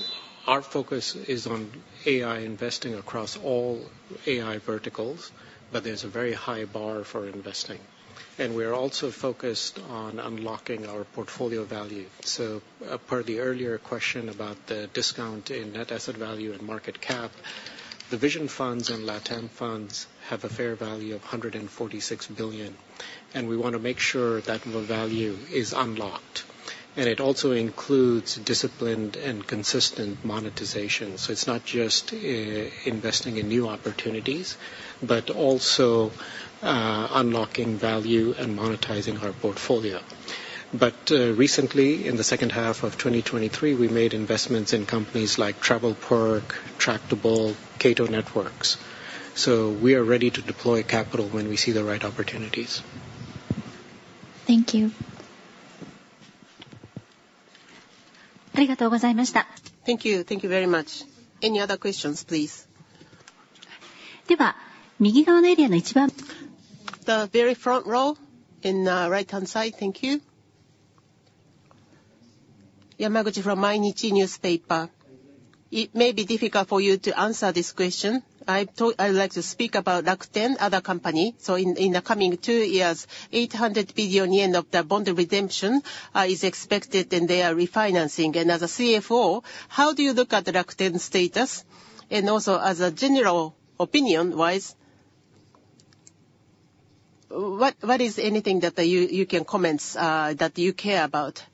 our focus is on AI investing across all AI verticals, but there's a very high bar for investing. And we are also focused on unlocking our portfolio value. So, per the earlier question about the discount in net asset value and market cap, the Vision Funds and LatAm Funds have a fair value of $146 billion, and we want to make sure that the value is unlocked. And it also includes disciplined and consistent monetization. So it's not just, investing in new opportunities, but also, unlocking value and monetizing our portfolio. But, recently, in the second half of 2023, we made investments in companies like TravelPerk, Tractable, Cato Networks, so we are ready to deploy capital when we see the right opportunities. Thank you. Thank you. Thank you very much. Any other questions, please? The very front row, in the right-hand side. Thank you. Yamaguchi from Mainichi Newspaper. It may be difficult for you to answer this question. I'd like to speak about Rakuten, other company. So in, in the coming two years, 800 billion yen of the bond redemption is expected, and they are refinancing. And as a CFO, how do you look at the Rakuten status? And also, as a general opinion-wise, what is anything that you can comments that you care about?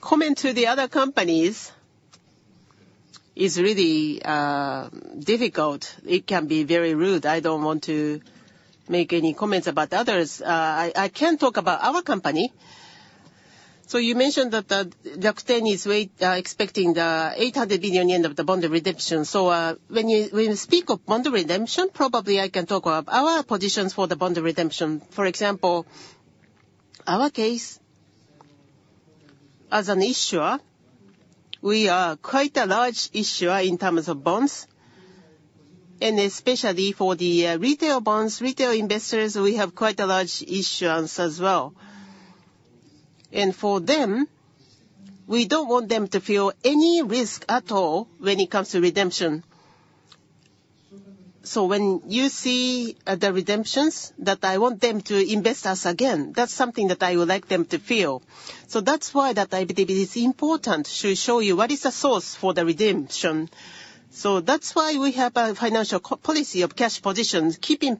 Comment to the other companies is really difficult. It can be very rude. I don't want to make any comments about others. I can talk about our company. So you mentioned that the is expecting the 800 billion yen of the bond redemption. So, when you speak of bond redemption, probably I can talk about our positions for the bond redemption. For example, our case as an issuer, we are quite a large issuer in terms of bonds, and especially for the retail bonds, retail investors, we have quite a large issuance as well. And for them, we don't want them to feel any risk at all when it comes to redemption. So when you see the redemptions, that I want them to invest us again, that's something that I would like them to feel. So that's why I believe it is important to show you what is the source for the redemption. So that's why we have a financial cash policy of cash positions, keeping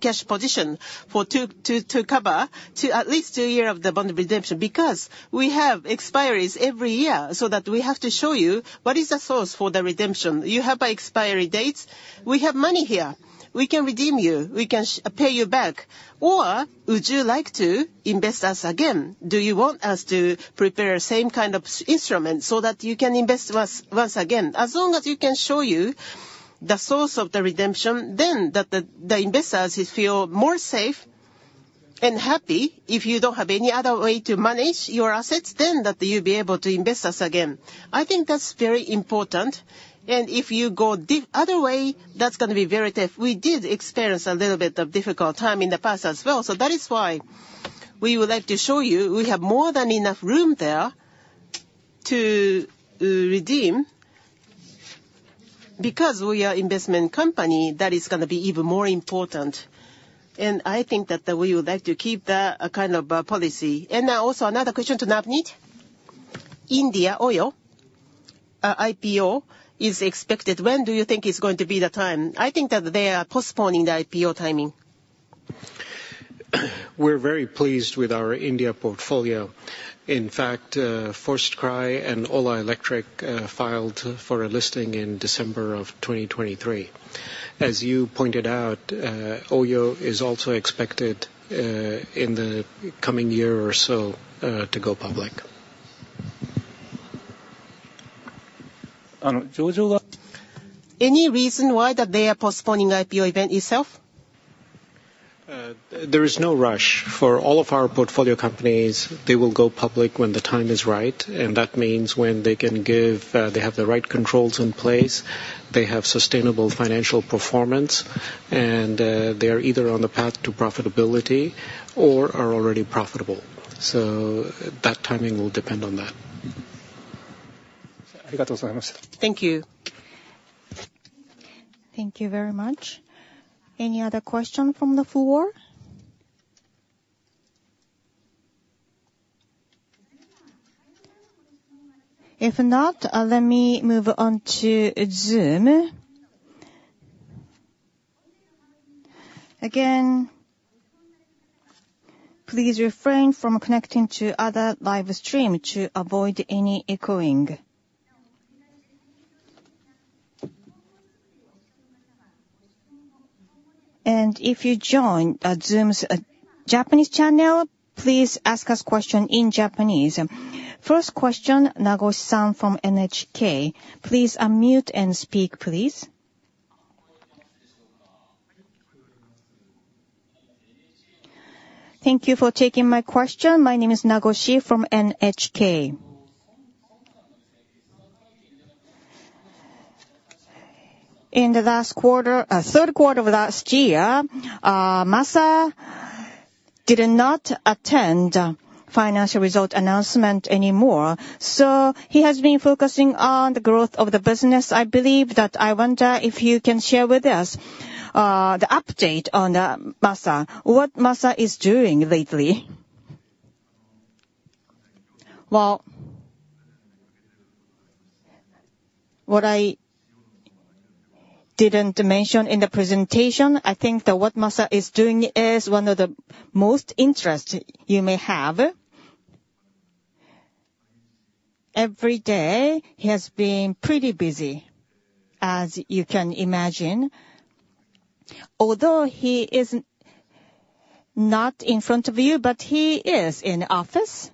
cash position to cover at least a year of the bond redemption. Because we have expiries every year, so that we have to show you what is the source for the redemption. You have a expiry date, we have money here, we can redeem you, we can pay you back. Or would you like to invest us again? Do you want us to prepare a same kind of instrument so that you can invest with us once again? As long as we can show you the source of the redemption, then the investors feel more safe and happy. If you don't have any other way to manage your assets, then that you'll be able to invest us again. I think that's very important, and if you go the other way, that's gonna be very tough. We did experience a little bit of difficult time in the past as well, so that is why we would like to show you, we have more than enough room there to redeem. Because we are investment company, that is gonna be even more important, and I think that we would like to keep that a kind of policy. Also another question to Navneet. India Oyo IPO is expected. When do you think is going to be the time? I think that they are postponing the IPO timing. We're very pleased with our India portfolio. In fact, FirstCry and Ola Electric filed for a listing in December of 2023. As you pointed out, Oyo is also expected in the coming year or so to go public. Any reason why that they are postponing IPO event itself? There is no rush. For all of our portfolio companies, they will go public when the time is right, and that means when they have the right controls in place, they have sustainable financial performance, and they are either on the path to profitability or are already profitable. So that timing will depend on that. Thank you. Thank you very much. Any other question from the floor? If not, let me move on to Zoom. Again, please refrain from connecting to other live stream to avoid any echoing. And if you join, Zoom's, Japanese channel, please ask us question in Japanese. First question, Nagoshi-san from NHK, please unmute and speak, please. Thank you for taking my question. My name is Nagoshi from NHK. In the last quarter, third quarter of last year, Masa did not attend financial result announcement anymore, so he has been focusing on the growth of the business. I believe that. I wonder if you can share with us, the update on, Masa, what Masa is doing lately? Well, what I didn't mention in the presentation, I think that what Masa is doing is one of the most interesting you may have. Every day, he has been pretty busy, as you can imagine. Although he isn't in front of you, but he is in the office,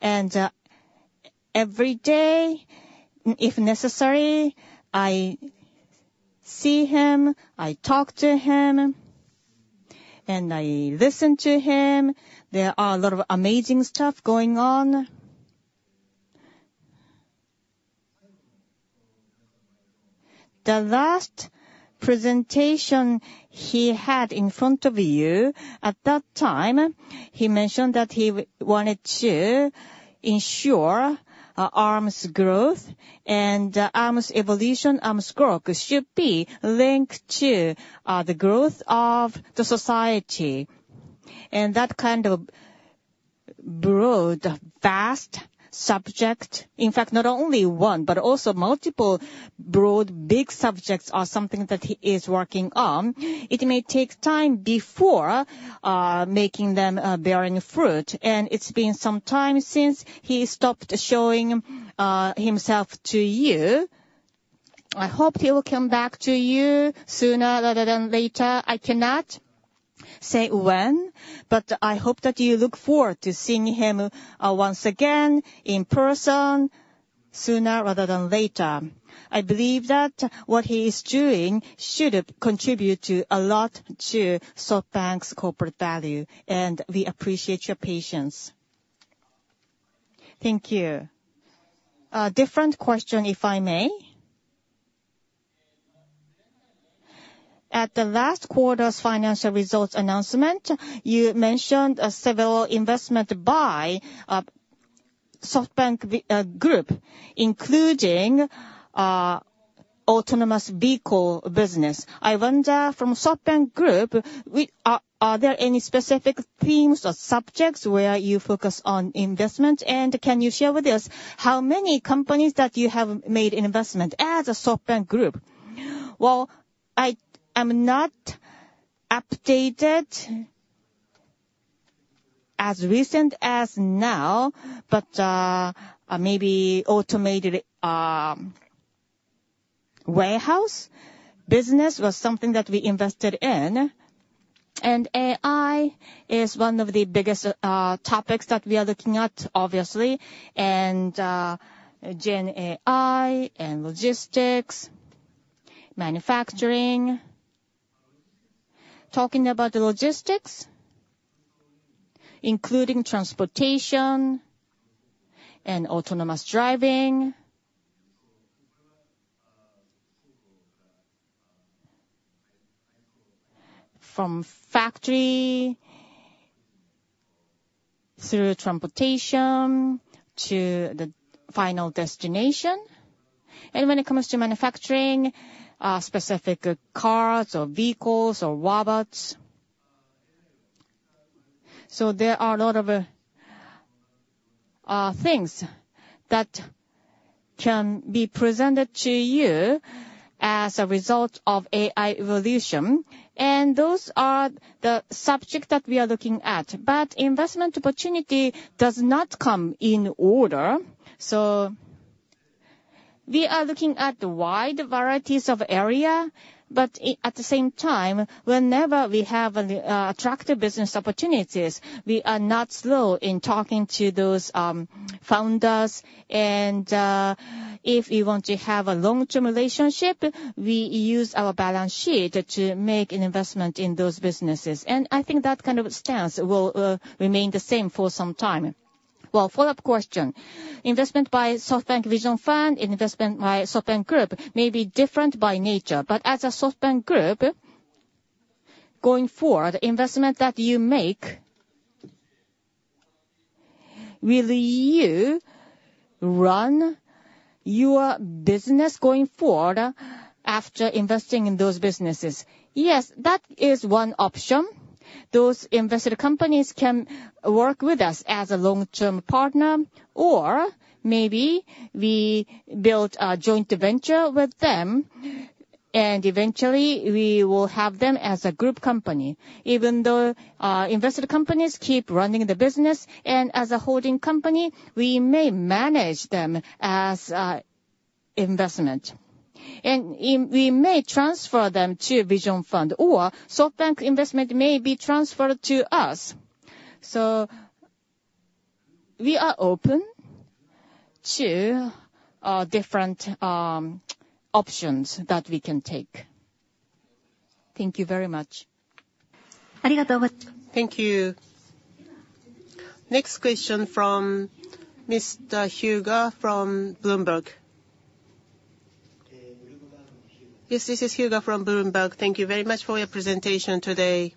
and every day, if necessary, I see him, I talk to him, and I listen to him. There are a lot of amazing stuff going on. The last presentation he had in front of you, at that time, he mentioned that he wanted to ensure Arm's growth and Arm's evolution. Arm's growth should be linked to the growth of the society, and that kind of broad, vast subject. In fact, not only one, but also multiple broad, big subjects are something that he is working on. It may take time before making them bearing fruit, and it's been some time since he stopped showing himself to you.... I hope he will come back to you sooner rather than later. I cannot say when, but I hope that you look forward to seeing him, once again in person sooner rather than later. I believe that what he is doing should contribute to a lot to SoftBank's corporate value, and we appreciate your patience. Thank you. Different question, if I may. At the last quarter's financial results announcement, you mentioned a several investment by SoftBank Group, including autonomous vehicle business. I wonder, from SoftBank Group, are there any specific themes or subjects where you focus on investment? And can you share with us how many companies that you have made investment as a SoftBank Group? Well, I am not updated as recent as now, but maybe automated warehouse business was something that we invested in. And AI is one of the biggest topics that we are looking at, obviously, and GenAI and logistics, manufacturing. Talking about the logistics, including transportation and autonomous driving. From factory through transportation to the final destination, and when it comes to manufacturing, specific cars or vehicles or robots. So there are a lot of things that can be presented to you as a result of AI evolution, and those are the subject that we are looking at. But investment opportunity does not come in order, so we are looking at wide varieties of area, but at the same time, whenever we have attractive business opportunities, we are not slow in talking to those founders. If we want to have a long-term relationship, we use our balance sheet to make an investment in those businesses, and I think that kind of stance will remain the same for some time. Well, follow-up question. Investment by SoftBank Vision Fund, investment by SoftBank Group may be different by nature, but as a SoftBank Group, going forward, the investment that you make, will you run your business going forward after investing in those businesses? Yes, that is one option. Those invested companies can work with us as a long-term partner, or maybe we build a joint venture with them, and eventually we will have them as a group company, even though invested companies keep running the business. And as a holding company, we may manage them as investment. And we may transfer them to Vision Fund, or SoftBank Investment may be transferred to us. So we are open to different options that we can take. Thank you very much. Thank you. Next question from Mr. Hyuga from Bloomberg. Yes, this is Hyuga from Bloomberg. Thank you very much for your presentation today.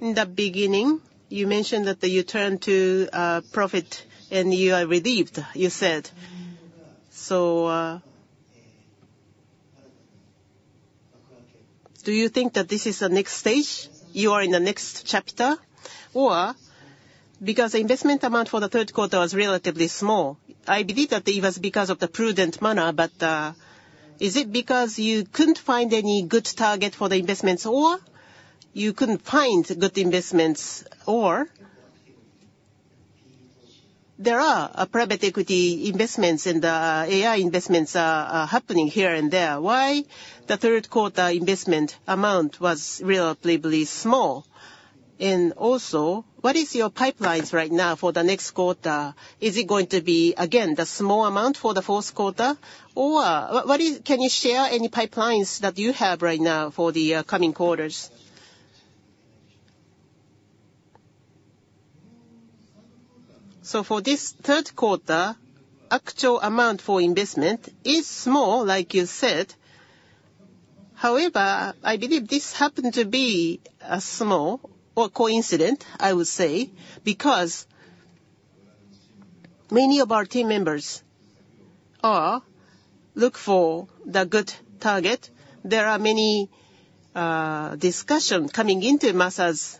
In the beginning, you mentioned that you turned to profit, and you are relieved, you said. So, do you think that this is the next stage, you are in the next chapter? Or because the investment amount for the third quarter was relatively small, I believe that it was because of the prudent manner, but, is it because you couldn't find any good target for the investments, or you couldn't find good investments, or there are private equity investments and AI investments are happening here and there. Why the third quarter investment amount was relatively small? And also, what is your pipelines right now for the next quarter? Is it going to be, again, the small amount for the fourth quarter? Can you share any pipelines that you have right now for the coming quarters? So for this third quarter, actual amount for investment is small, like you said. However, I believe this happened to be, small or coincident, I would say, because many of our team members, look for the good target. There are many, discussion coming into Masa's,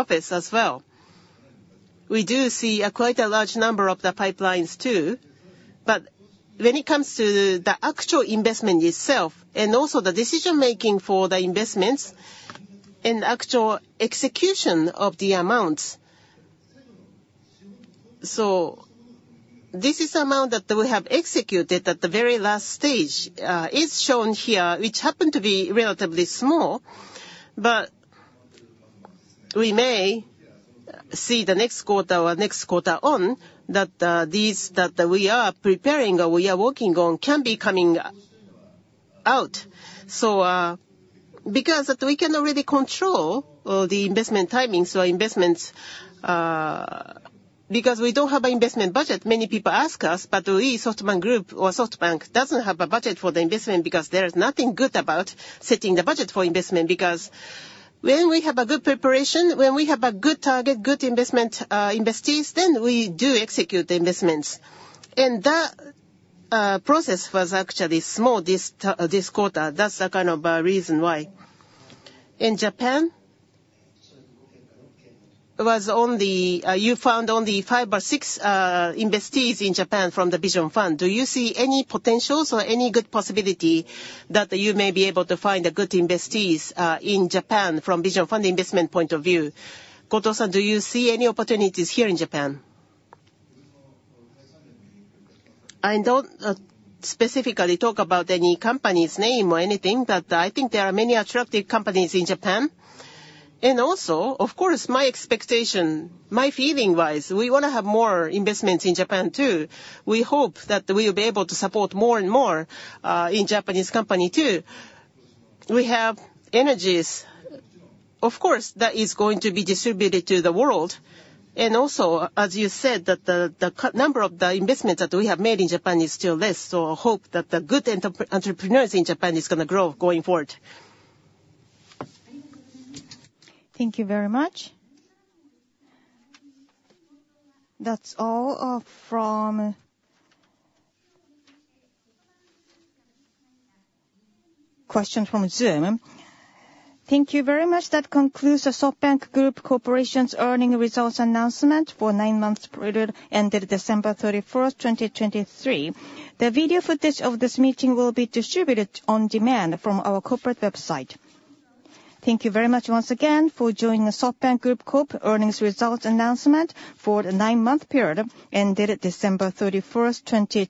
office as well. We do see a quite a large number of the pipelines too, but when it comes to the actual investment itself and also the decision-making for the investments and actual execution of the amounts-... So this is the amount that we have executed at the very last stage, is shown here, which happened to be relatively small, but we may see the next quarter or next quarter on, that, these, that we are preparing or we are working on, can be coming out. So, because that we cannot really control, the investment timing, so investments, because we don't have an investment budget, many people ask us, but we, SoftBank Group or SoftBank, doesn't have a budget for the investment because there is nothing good about setting the budget for investment. Because when we have a good preparation, when we have a good target, good investment, investees, then we do execute the investments. And that, process was actually small this this quarter. That's the kind of, reason why. In Japan, was only, you found only five or six investees in Japan from the Vision Fund. Do you see any potentials or any good possibility that you may be able to find a good investees in Japan from Vision Fund investment point of view? Goto-san, do you see any opportunities here in Japan? I don't specifically talk about any company's name or anything, but I think there are many attractive companies in Japan. Also, of course, my expectation, my feeling-wise, we wanna have more investments in Japan, too. We hope that we'll be able to support more and more in Japanese company, too. We have energies, of course, that is going to be distributed to the world, and also, as you said, that the number of the investments that we have made in Japan is still less, so I hope that the good entrepreneurs in Japan is gonna grow going forward. Thank you very much. That's all from... Questions from Zoom. Thank you very much. That concludes the SoftBank Group Corporation's earnings results announcement for the nine-month period ended December 31st, 2023. The video footage of this meeting will be distributed on demand from our corporate website. Thank you very much once again for joining the SoftBank Group Corp. earnings results announcement for the nine-month period ended December 31st, 2023.